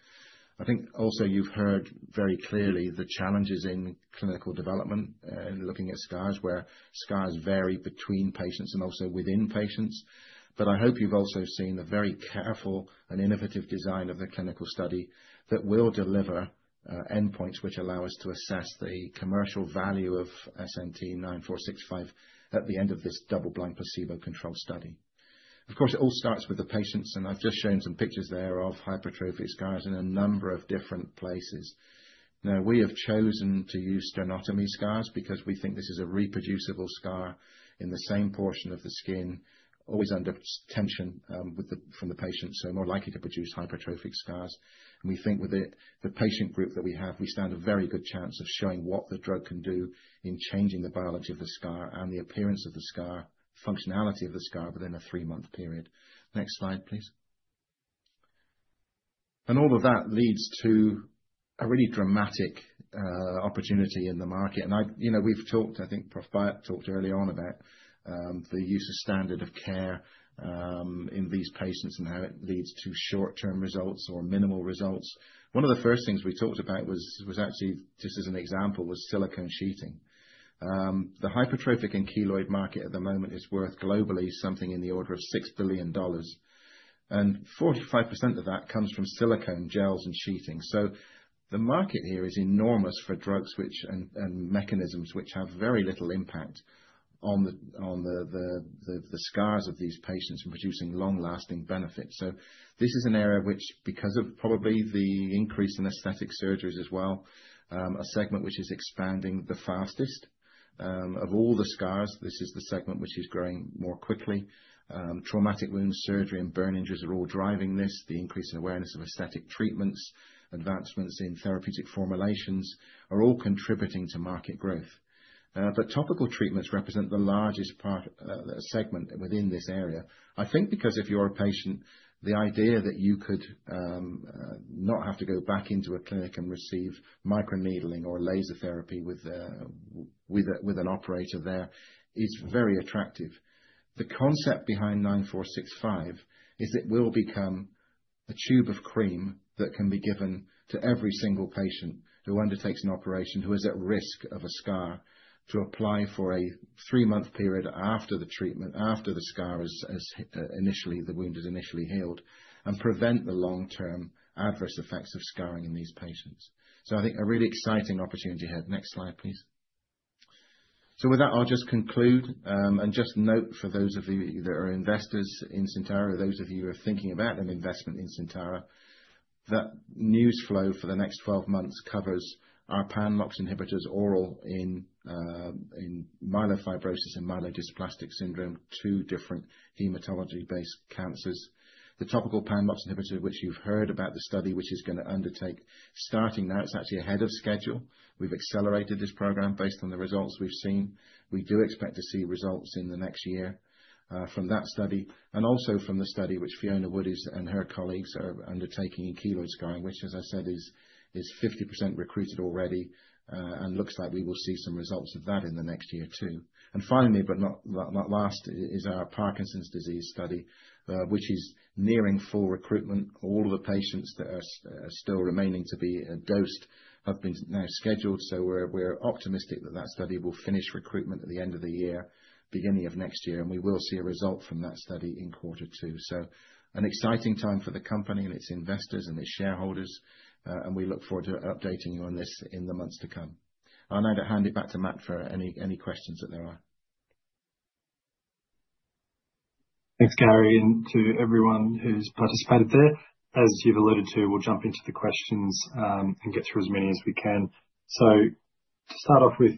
I think also you've heard very clearly the challenges in clinical development and looking at scars where scars vary between patients and also within patients. I hope you've also seen the very careful and innovative design of the clinical study that will deliver endpoints which allow us to assess the commercial value of SNT-9465 at the end of this double-blind placebo-controlled study. Of course, it all starts with the patients. I've just shown some pictures there of hypertrophic scars in a number of different places. We have chosen to use sternotomy scars because we think this is a reproducible scar in the same portion of the skin, always under tension from the patient, so more likely to produce hypertrophic scars. We think with the patient group that we have, we stand a very good chance of showing what the drug can do in changing the biology of the scar and the appearance of the scar, functionality of the scar within a three-month period. Next slide, please. All of that leads to a really dramatic opportunity in the market. I, you know, we've talked, I think Prof. Bayat talked early on about the use of standard of care in these patients and how it leads to short-term results or minimal results. One of the first things we talked about was actually, just as an example, was silicone sheeting. The hypertrophic and keloid market at the moment is worth globally something in the order of $6 billion. 45% of that comes from silicone gels and sheeting. The market here is enormous for drugs and mechanisms which have very little impact on the scars of these patients and producing long-lasting benefits. This is an area which, because of probably the increase in aesthetic surgeries as well, a segment which is expanding the fastest of all the scars, this is the segment which is growing more quickly. Traumatic wound surgery and burn injuries are all driving this. The increase in awareness of aesthetic treatments, advancements in therapeutic formulations are all contributing to market growth. Topical treatments represent the largest part, the segment within this area. I think because if you're a patient, the idea that you could not have to go back into a clinic and receive microneedling or laser therapy with an operator there is very attractive. The concept behind 9465 is it will become a tube of cream that can be given to every single patient who undertakes an operation, who is at risk of a scar, to apply for a three-month period after the treatment, after the scar is initially, the wound is initially healed, and prevent the long-term adverse effects of scarring in these patients. I think a really exciting opportunity here. Next slide, please. With that, I'll just conclude and just note for those of you that are investors in Syntara, those of you who are thinking about an investment in Syntara, that news flow for the next 12 months covers our pan-LOX inhibitors oral in Myelofibrosis and Myelodysplastic Syndrome, two different hematology-based cancers. The topical pan-LOX inhibitor, which you've heard about the study, which is going to undertake starting now, it's actually ahead of schedule. have accelerated this program based on the results we have seen. We do expect to see results in the next year from that study and also from the study which Fiona Wood and her colleagues are undertaking in keloid scarring, which, as I said, is 50% recruited already. It looks like we will see some results of that in the next year too. Finally, but not last, is our Parkinson's Disease study, which is nearing full recruitment. All of the patients that are still remaining to be dosed have been now scheduled. We are optimistic that that study will finish recruitment at the end of the year, beginning of next year. We will see a result from that study in Quarter Two. It is an exciting time for the company and its investors and its shareholders. We look forward to updating you on this in the months to come. I'll now hand it back to Matt for any questions that there are. Thanks, Gary, and to everyone who's participated there. As you've alluded to, we'll jump into the questions and get through as many as we can. To start off with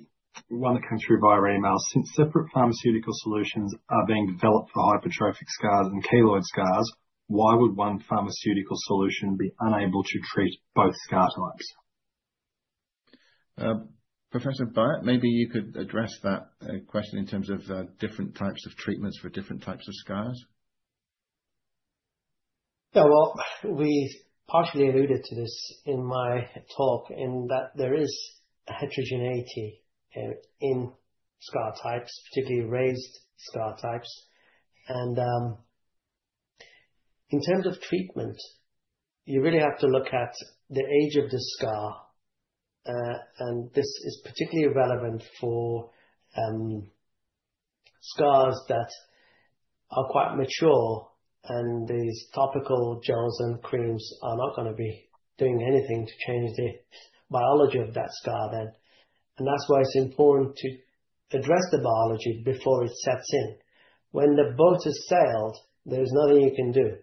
one that came through via email. Since separate pharmaceutical solutions are being developed for hypertrophic scars and keloid scars, why would one pharmaceutical solution be unable to treat both scar types? Professor Bayat, maybe you could address that question in terms of different types of treatments for different types of scars. Yeah, we partially alluded to this in my talk in that there is heterogeneity in scar types, particularly raised scar types. In terms of treatment, you really have to look at the age of the scar. This is particularly relevant for scars that are quite mature. These topical gels and creams are not going to be doing anything to change the biology of that scar then. That is why it's important to address the biology before it sets in. When the boat has sailed, there's nothing you can do.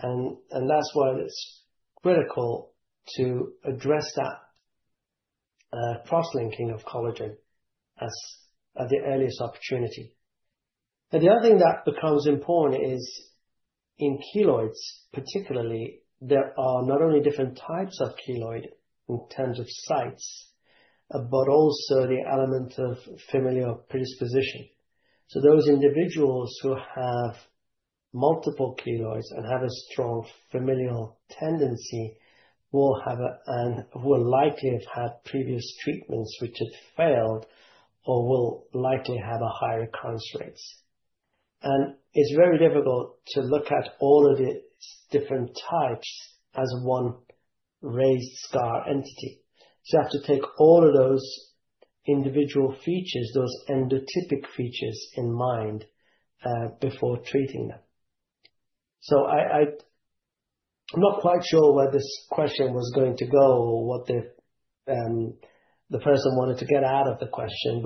That is why it's critical to address that cross-linking of collagen at the earliest opportunity. The other thing that becomes important is in keloids, particularly, there are not only different types of keloid in terms of sites, but also the element of familial predisposition. Those individuals who have multiple keloids and have a strong familial tendency will have and will likely have had previous treatments which have failed or will likely have a higher recurrence rate. It's very difficult to look at all of the different types as one raised scar entity. You have to take all of those individual features, those endotypic features in mind before treating them. I'm not quite sure where this question was going to go or what the person wanted to get out of the question.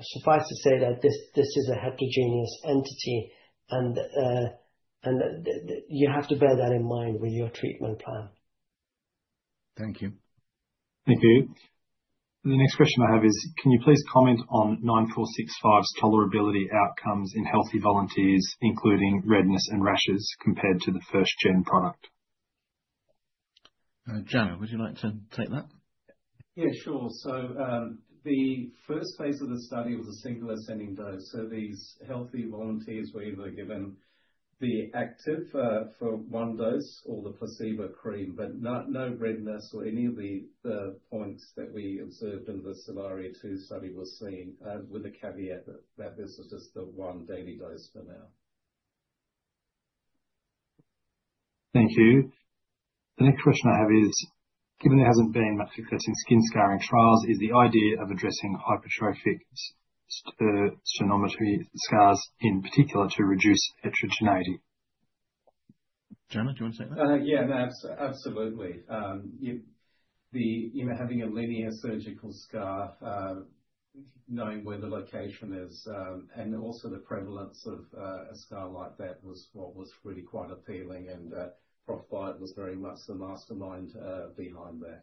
Suffice to say that this is a heterogeneous entity. You have to bear that in mind with your treatment plan. Thank you. Thank you. The next question I have is, can you please comment on 9465's tolerability outcomes in healthy volunteers, including redness and rashes compared to the first-gen product? Jana, would you like to take that? Yeah, sure. The first phase of the study was a single ascending dose. These healthy volunteers were either given the active for one dose or the placebo cream, but no redness or any of the points that we observed in the SOLARIA II Study were seen, with the caveat that this is just the one daily dose for now. Thank you. The next question I have is, given there hasn't been much success in skin scarring trials, is the idea of addressing hypertrophic sternotomy scars in particular to reduce heterogeneity? Jana, do you want to take that? Yeah, absolutely. Having a linear surgical scar, knowing where the location is, and also the prevalence of a scar like that was what was really quite appealing. Prof. Bayat was very much the mastermind behind that.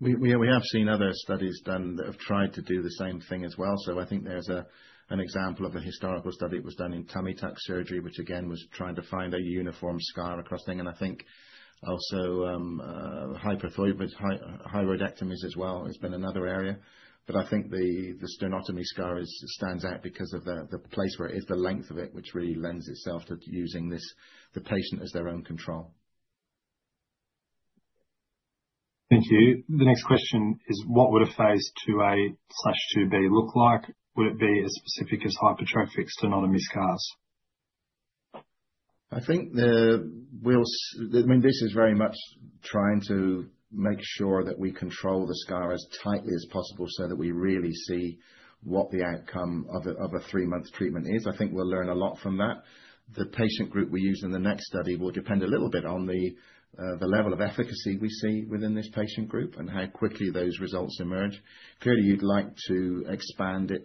We have seen other studies done that have tried to do the same thing as well. I think there's an example of a historical study that was done in tummy tuck surgery, which again was trying to find a uniform scar across thing. I think also hypertrophic hyalodectomies as well has been another area. I think the sternotomy scar stands out because of the place where it is, the length of it, which really lends itself to using the patient as their own control. Thank you. The next question is, what would a phase IIA/IIB look like? Would it be as specific as hypertrophic sternotomy scars? I think we'll, I mean, this is very much trying to make sure that we control the scar as tightly as possible so that we really see what the outcome of a three-month treatment is. I think we'll learn a lot from that. The patient group we use in the next study will depend a little bit on the level of efficacy we see within this patient group and how quickly those results emerge. Clearly, you'd like to expand it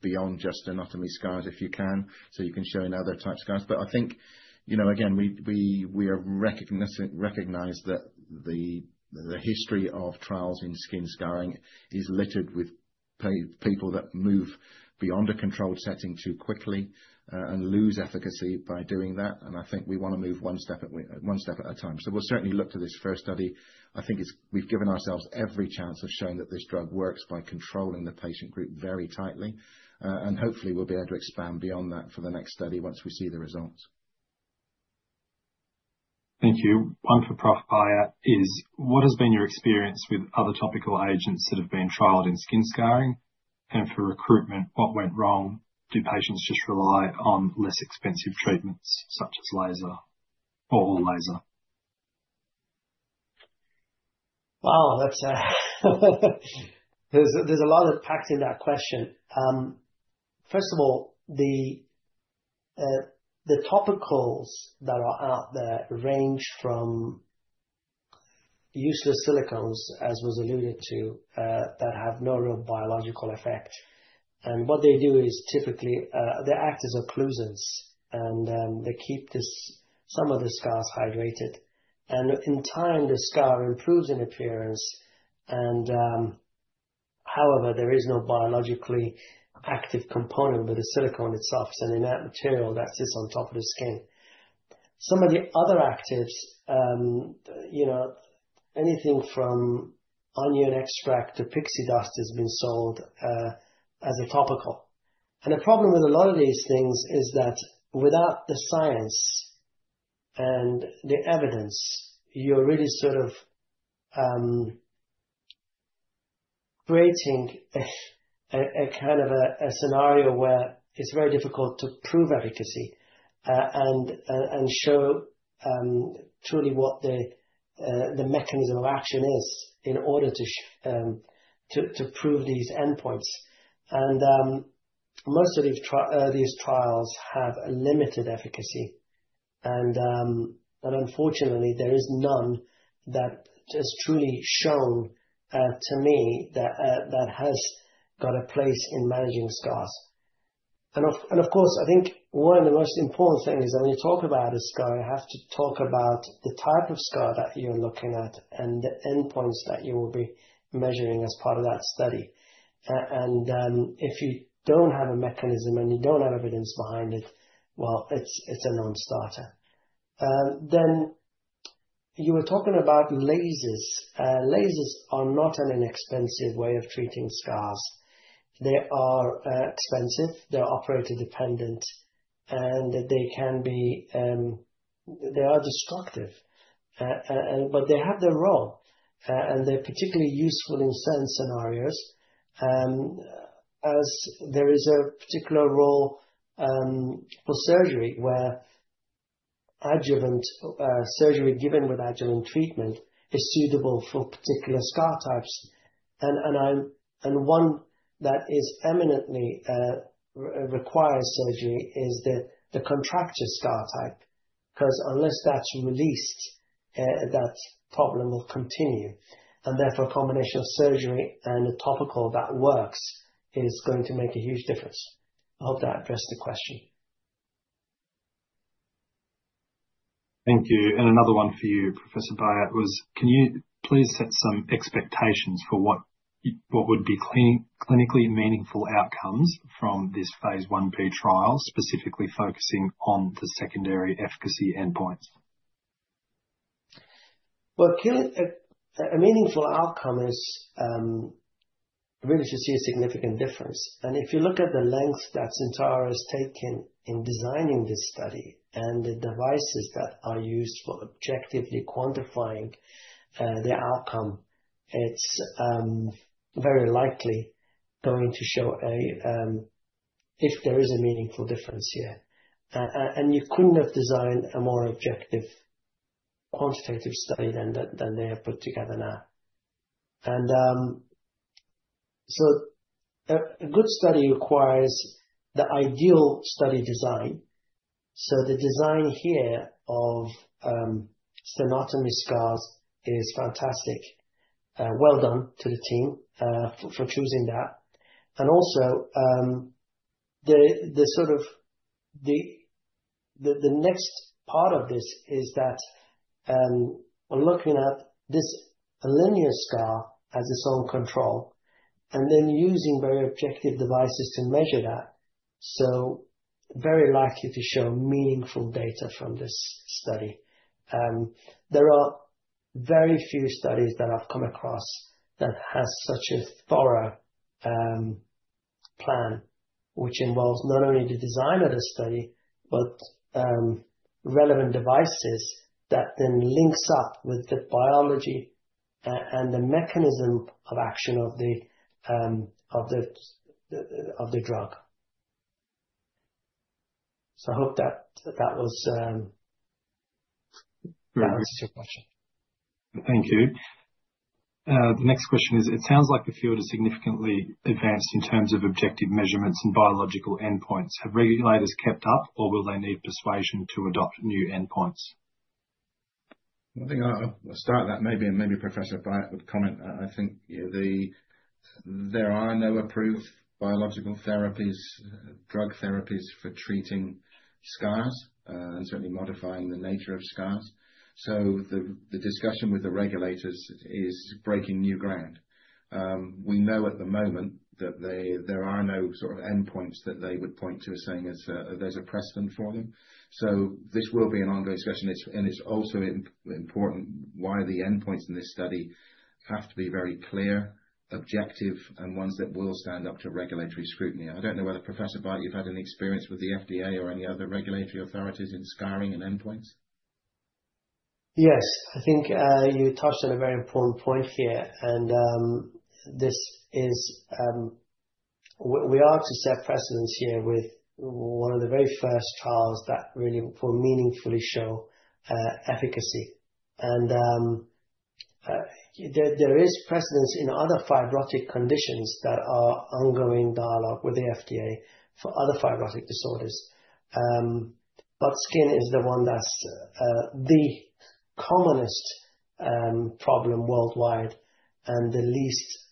beyond just sternotomy scars if you can, so you can show in other types of scars. I think, you know, again, we recognize that the history of trials in skin scarring is littered with people that move beyond a controlled setting too quickly and lose efficacy by doing that. I think we want to move one step at a time. We'll certainly look to this first study. I think we've given ourselves every chance of showing that this drug works by controlling the patient group very tightly. Hopefully, we'll be able to expand beyond that for the next study once we see the results. Thank you. One for Prof. Bayat is, what has been your experience with other topical agents that have been trialed in skin scarring? For recruitment, what went wrong? Do patients just rely on less expensive treatments such as laser or all laser? Wow, there's a lot packed in that question. First of all, the topicals that are out there range from useless silicones, as was alluded to, that have no real biological effect. What they do is typically they act as occlusions. They keep some of the scars hydrated. In time, the scar improves in appearance. However, there is no biologically active component with the silicone itself. It's an inert material that sits on top of the skin. Some of the other actives, you know, anything from onion extract to pixie dust has been sold as a topical. The problem with a lot of these things is that without the science and the evidence, you're really sort of creating a kind of a scenario where it's very difficult to prove efficacy and show truly what the mechanism of action is in order to prove these endpoints. Most of these trials have limited efficacy. Unfortunately, there is none that has truly shown to me that has got a place in managing scars. I think one of the most important things is that when you talk about a scar, you have to talk about the type of scar that you're looking at and the endpoints that you will be measuring as part of that study. If you don't have a mechanism and you don't have evidence behind it, it's a non-starter. You were talking about lasers. Lasers are not an inexpensive way of treating scars. They are expensive. They're operator-dependent. They can be destructive. They have their role. They're particularly useful in certain scenarios as there is a particular role for surgery where adjuvant surgery given with adjuvant treatment is suitable for particular scar types. One that eminently requires surgery is the contracture scar type because unless that's released, that problem will continue. Therefore, a combination of surgery and a topical that works is going to make a huge difference. I hope that addressed the question. Thank you. Another one for you, Professor Bayat, was, can you please set some expectations for what would be clinically meaningful outcomes from this phase 1b trial, specifically focusing on the secondary efficacy endpoints? A meaningful outcome is really to see a significant difference. If you look at the length that Syntara has taken in designing this study and the devices that are used for objectively quantifying the outcome, it's very likely going to show if there is a meaningful difference here. You couldn't have designed a more objective quantitative study than they have put together now. A good study requires the ideal study design. The design here of sternotomy scars is fantastic. Well done to the team for choosing that. Also, the sort of the next part of this is that we're looking at this linear scar as its own control and then using very objective devices to measure that. Very likely to show meaningful data from this study. There are very few studies that I've come across that have such a thorough plan, which involves not only the design of the study, but relevant devices that then links up with the biology and the mechanism of action of the drug. I hope that that was answered your question. Thank you. The next question is, it sounds like the field has significantly advanced in terms of objective measurements and biological endpoints. Have regulators kept up, or will they need persuasion to adopt new endpoints? I think I'll start that maybe, and maybe Professor Bayat would comment. I think there are no approved biological therapies, drug therapies for treating scars and certainly modifying the nature of scars. The discussion with the regulators is breaking new ground. We know at the moment that there are no sort of endpoints that they would point to as saying there's a precedent for them. This will be an ongoing discussion. It is also important why the endpoints in this study have to be very clear, objective, and ones that will stand up to regulatory scrutiny. I don't know whether, Professor Bayat, you've had any experience with the FDA or any other regulatory authorities in scarring and endpoints. Yes, I think you touched on a very important point here. This is we are to set precedents here with one of the very first trials that really will meaningfully show efficacy. There is precedence in other fibrotic conditions that are ongoing dialogue with the FDA for other fibrotic disorders. Skin is the one that's the commonest problem worldwide and the least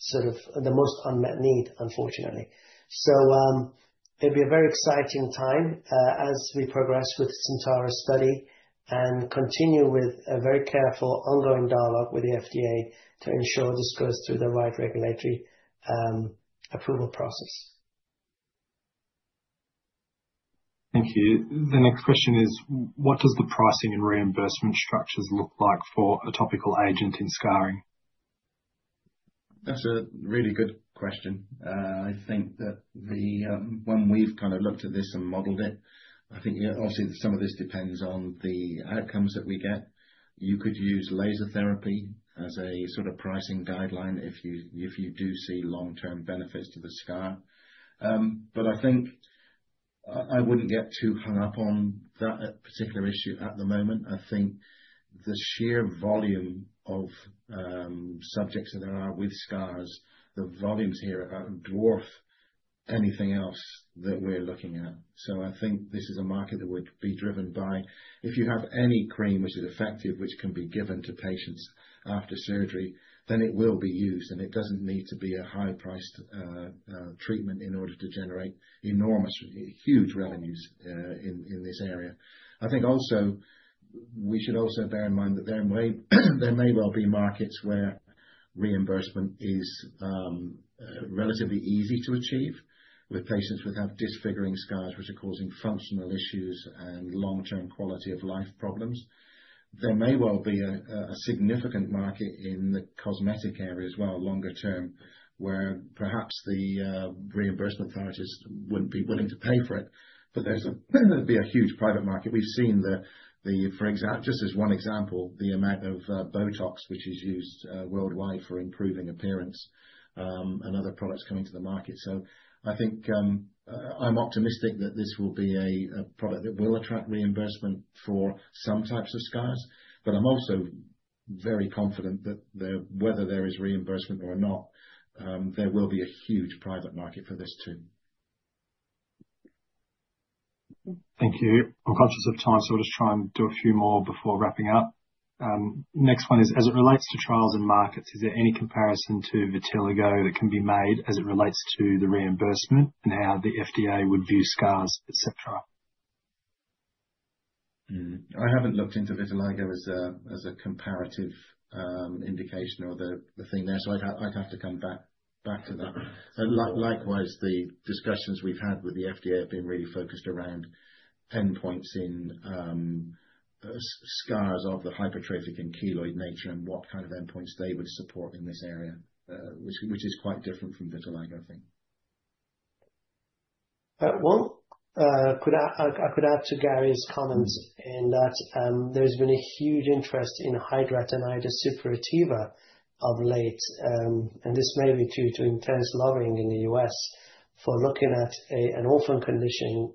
sort of the most unmet need, unfortunately. It will be a very exciting time as we progress with the Syntara study and continue with a very careful ongoing dialogue with the FDA to ensure this goes through the right regulatory approval process. Thank you. The next question is, what does the pricing and reimbursement structures look like for a topical agent in scarring? That's a really good question. I think that when we've kind of looked at this and modeled it, I think obviously some of this depends on the outcomes that we get. You could use laser therapy as a sort of pricing guideline if you do see long-term benefits to the scar. I think I wouldn't get too hung up on that particular issue at the moment. I think the sheer volume of subjects that there are with scars, the volumes here dwarf anything else that we're looking at. I think this is a market that would be driven by if you have any cream which is effective, which can be given to patients after surgery, then it will be used. It doesn't need to be a high-priced treatment in order to generate enormous, huge revenues in this area. I think also we should also bear in mind that there may well be markets where reimbursement is relatively easy to achieve with patients who have disfiguring scars which are causing functional issues and long-term quality of life problems. There may well be a significant market in the cosmetic area as well, longer term, where perhaps the reimbursement authorities wouldn't be willing to pay for it, but there's a huge private market. We've seen the, for example, just as one example, the amount of Botox which is used worldwide for improving appearance and other products coming to the market. I think I'm optimistic that this will be a product that will attract reimbursement for some types of scars. I'm also very confident that whether there is reimbursement or not, there will be a huge private market for this too. Thank you. I'm conscious of time, so I'll just try and do a few more before wrapping up. Next one is, as it relates to trials and markets, is there any comparison to Vitiligo that can be made as it relates to the reimbursement and how the FDA would view scars, etc.? I haven't looked into Vitiligo as a comparative indication or the thing there. I'd have to come back to that. Likewise, the discussions we've had with the FDA have been really focused around endpoints in scars of the hypertrophic and keloid nature and what kind of endpoints they would support in this area, which is quite different from Vitiligo, I think. I could add to Gary's comments in that there's been a huge interest in hidradenitis suppurativa of late. This may be due to intense lobbying in the U.S. for looking at an orphan condition,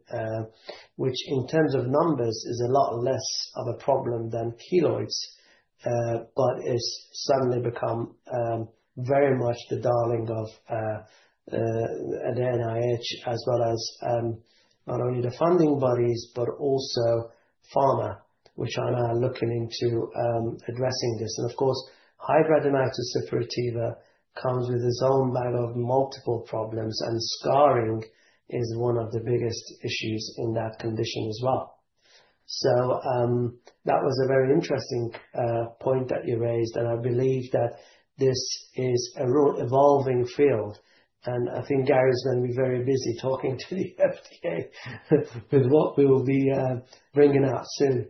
which in terms of numbers is a lot less of a problem than keloids, but has suddenly become very much the darling of the NIH, as well as not only the funding bodies, but also pharma, which are now looking into addressing this. Of course, hidradenitis suppurativa comes with its own bag of multiple problems, and scarring is one of the biggest issues in that condition as well. That was a very interesting point that you raised. I believe that this is a real evolving field. I think Gary's going to be very busy talking to the FDA with what we will be bringing out soon.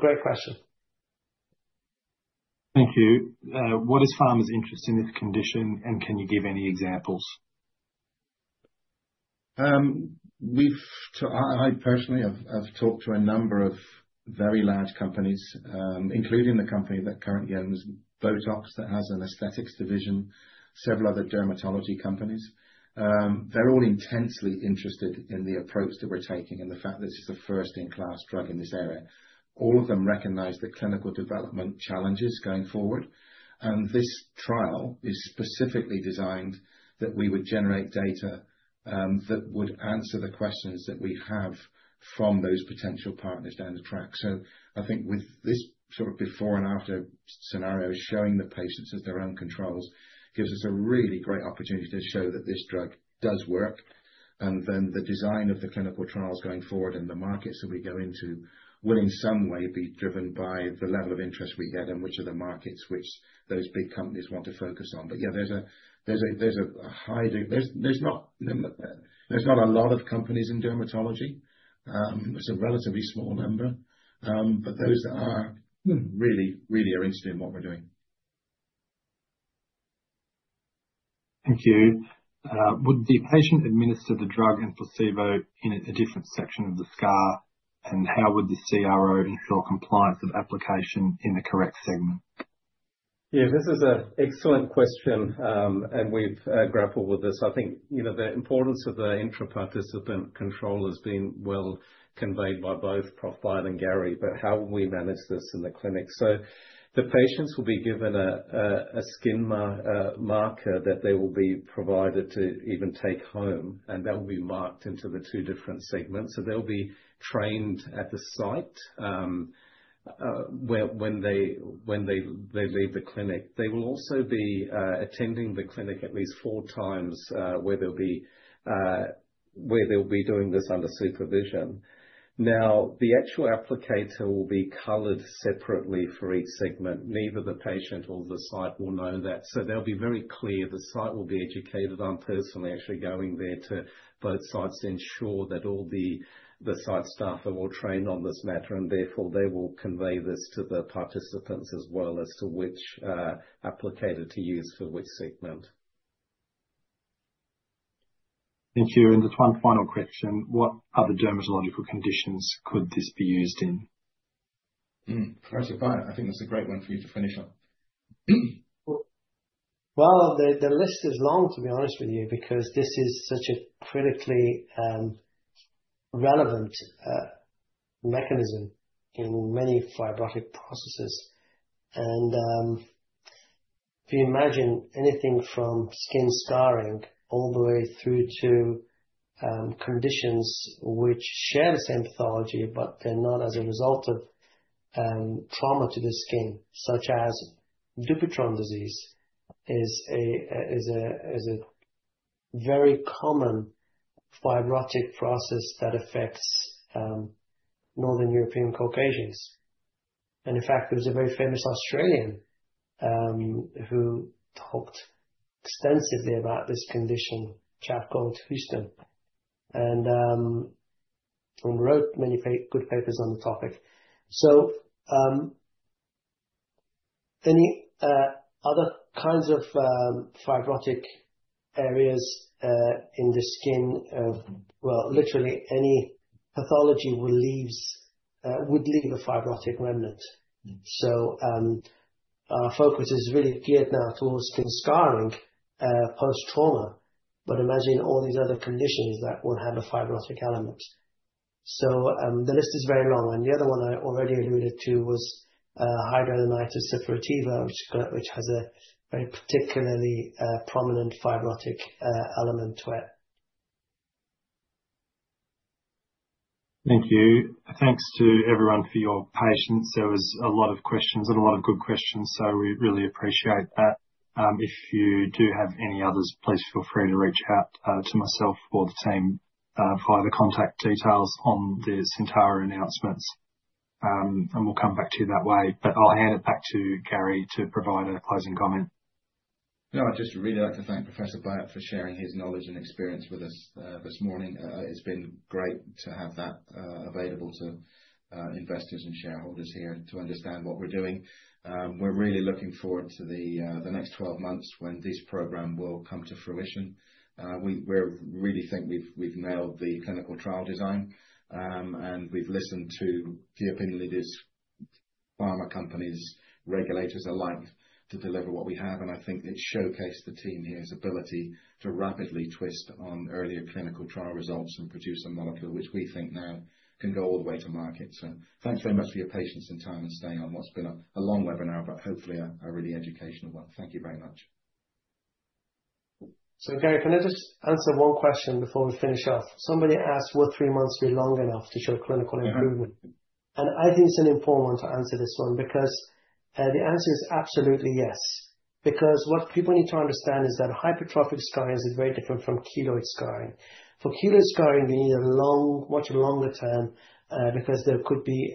Great question. Thank you. What is pharma's interest in this condition, and can you give any examples? I personally have talked to a number of very large companies, including the company that currently owns Botox that has an aesthetics division, several other dermatology companies. They're all intensely interested in the approach that we're taking and the fact that this is a first-in-class drug in this area. All of them recognize the clinical development challenges going forward. This trial is specifically designed that we would generate data that would answer the questions that we have from those potential partners down the track. I think with this sort of before and after scenario, showing the patients as their own controls gives us a really great opportunity to show that this drug does work. The design of the clinical trials going forward in the markets that we go into will in some way be driven by the level of interest we get and which are the markets which those big companies want to focus on. Yeah, there's a high degree. There's not a lot of companies in dermatology. It's a relatively small number. Those that are really, really are interested in what we're doing. Thank you. Would the patient administer the drug and placebo in a different section of the scar, and how would the CRO ensure compliance of application in the correct segment? Yeah, this is an excellent question, and we've grappled with this. I think the importance of the intra-participant control has been well conveyed by both Prof. Bayat and Gary, but how will we manage this in the clinic? The patients will be given a skin marker that they will be provided to even take home, and that will be marked into the two different segments. They'll be trained at the site when they leave the clinic. They will also be attending the clinic at least four times where they'll be doing this under supervision. Now, the actual applicator will be colored separately for each segment. Neither the patient nor the site will know that. They'll be very clear. The site will be educated. I'm personally actually going there to both sides to ensure that all the site staff are well trained on this matter, and therefore they will convey this to the participants as well as to which applicator to use for which segment. Thank you. And just one final question. What other dermatological conditions could this be used in? Professor Bayat, I think that's a great one for you to finish on. The list is long, to be honest with you, because this is such a critically relevant mechanism in many fibrotic processes. If you imagine anything from skin scarring all the way through to conditions which share the same pathology, but they're not as a result of trauma to the skin, such as Dupuytren's Disease, is a very common fibrotic process that affects Northern European Caucasians. In fact, there was a very famous Australian who talked extensively about this condition, Fiona Wood, and wrote many good papers on the topic. Any other kinds of fibrotic areas in the skin of, literally any pathology would leave a fibrotic remnant. Our focus is really geared now towards skin scarring post-trauma, but imagine all these other conditions that will have a fibrotic element. The list is very long. The other one I already alluded to was Hidradenitis Suppurativa, which has a particularly prominent fibrotic element to it. Thank you. Thanks to everyone for your patience. There were a lot of questions and a lot of good questions, so we really appreciate that. If you do have any others, please feel free to reach out to myself or the team via the contact details on the Syntara announcements. We'll come back to you that way. I'll hand it back to Gary to provide a closing comment. No, I'd just really like to thank Professor Bayat for sharing his knowledge and experience with us this morning. It's been great to have that available to investors and shareholders here to understand what we're doing. We're really looking forward to the next 12 months when this program will come to fruition. We really think we've nailed the clinical trial design, and we've listened to the opinion leaders, pharma companies, regulators alike to deliver what we have. I think it showcased the team here's ability to rapidly twist on earlier clinical trial results and produce a molecule which we think now can go all the way to market. Thanks very much for your patience and time and staying on. It's been a long webinar, but hopefully a really educational one. Thank you very much. Gary, can I just answer one question before we finish off? Somebody asked, "Will three months be long enough to show clinical improvement?" I think it's an important one to answer because the answer is absolutely yes. What people need to understand is that hypertrophic scarring is very different from keloid scarring. For keloid scarring, you need a much longer term because there could be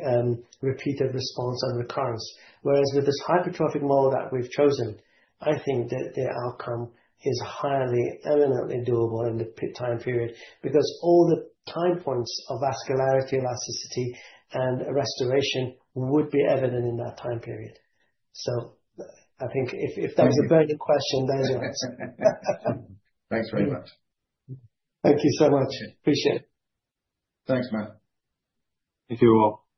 repeated response and recurrence. With this hypertrophic model that we've chosen, I think that the outcome is highly eminently doable in the time period because all the time points of vascularity, elasticity, and restoration would be evident in that time period. If that was a burning question, there's your answer. Thanks very much. Thank you so much. Appreciate it. Thanks, Matt. Thank you all.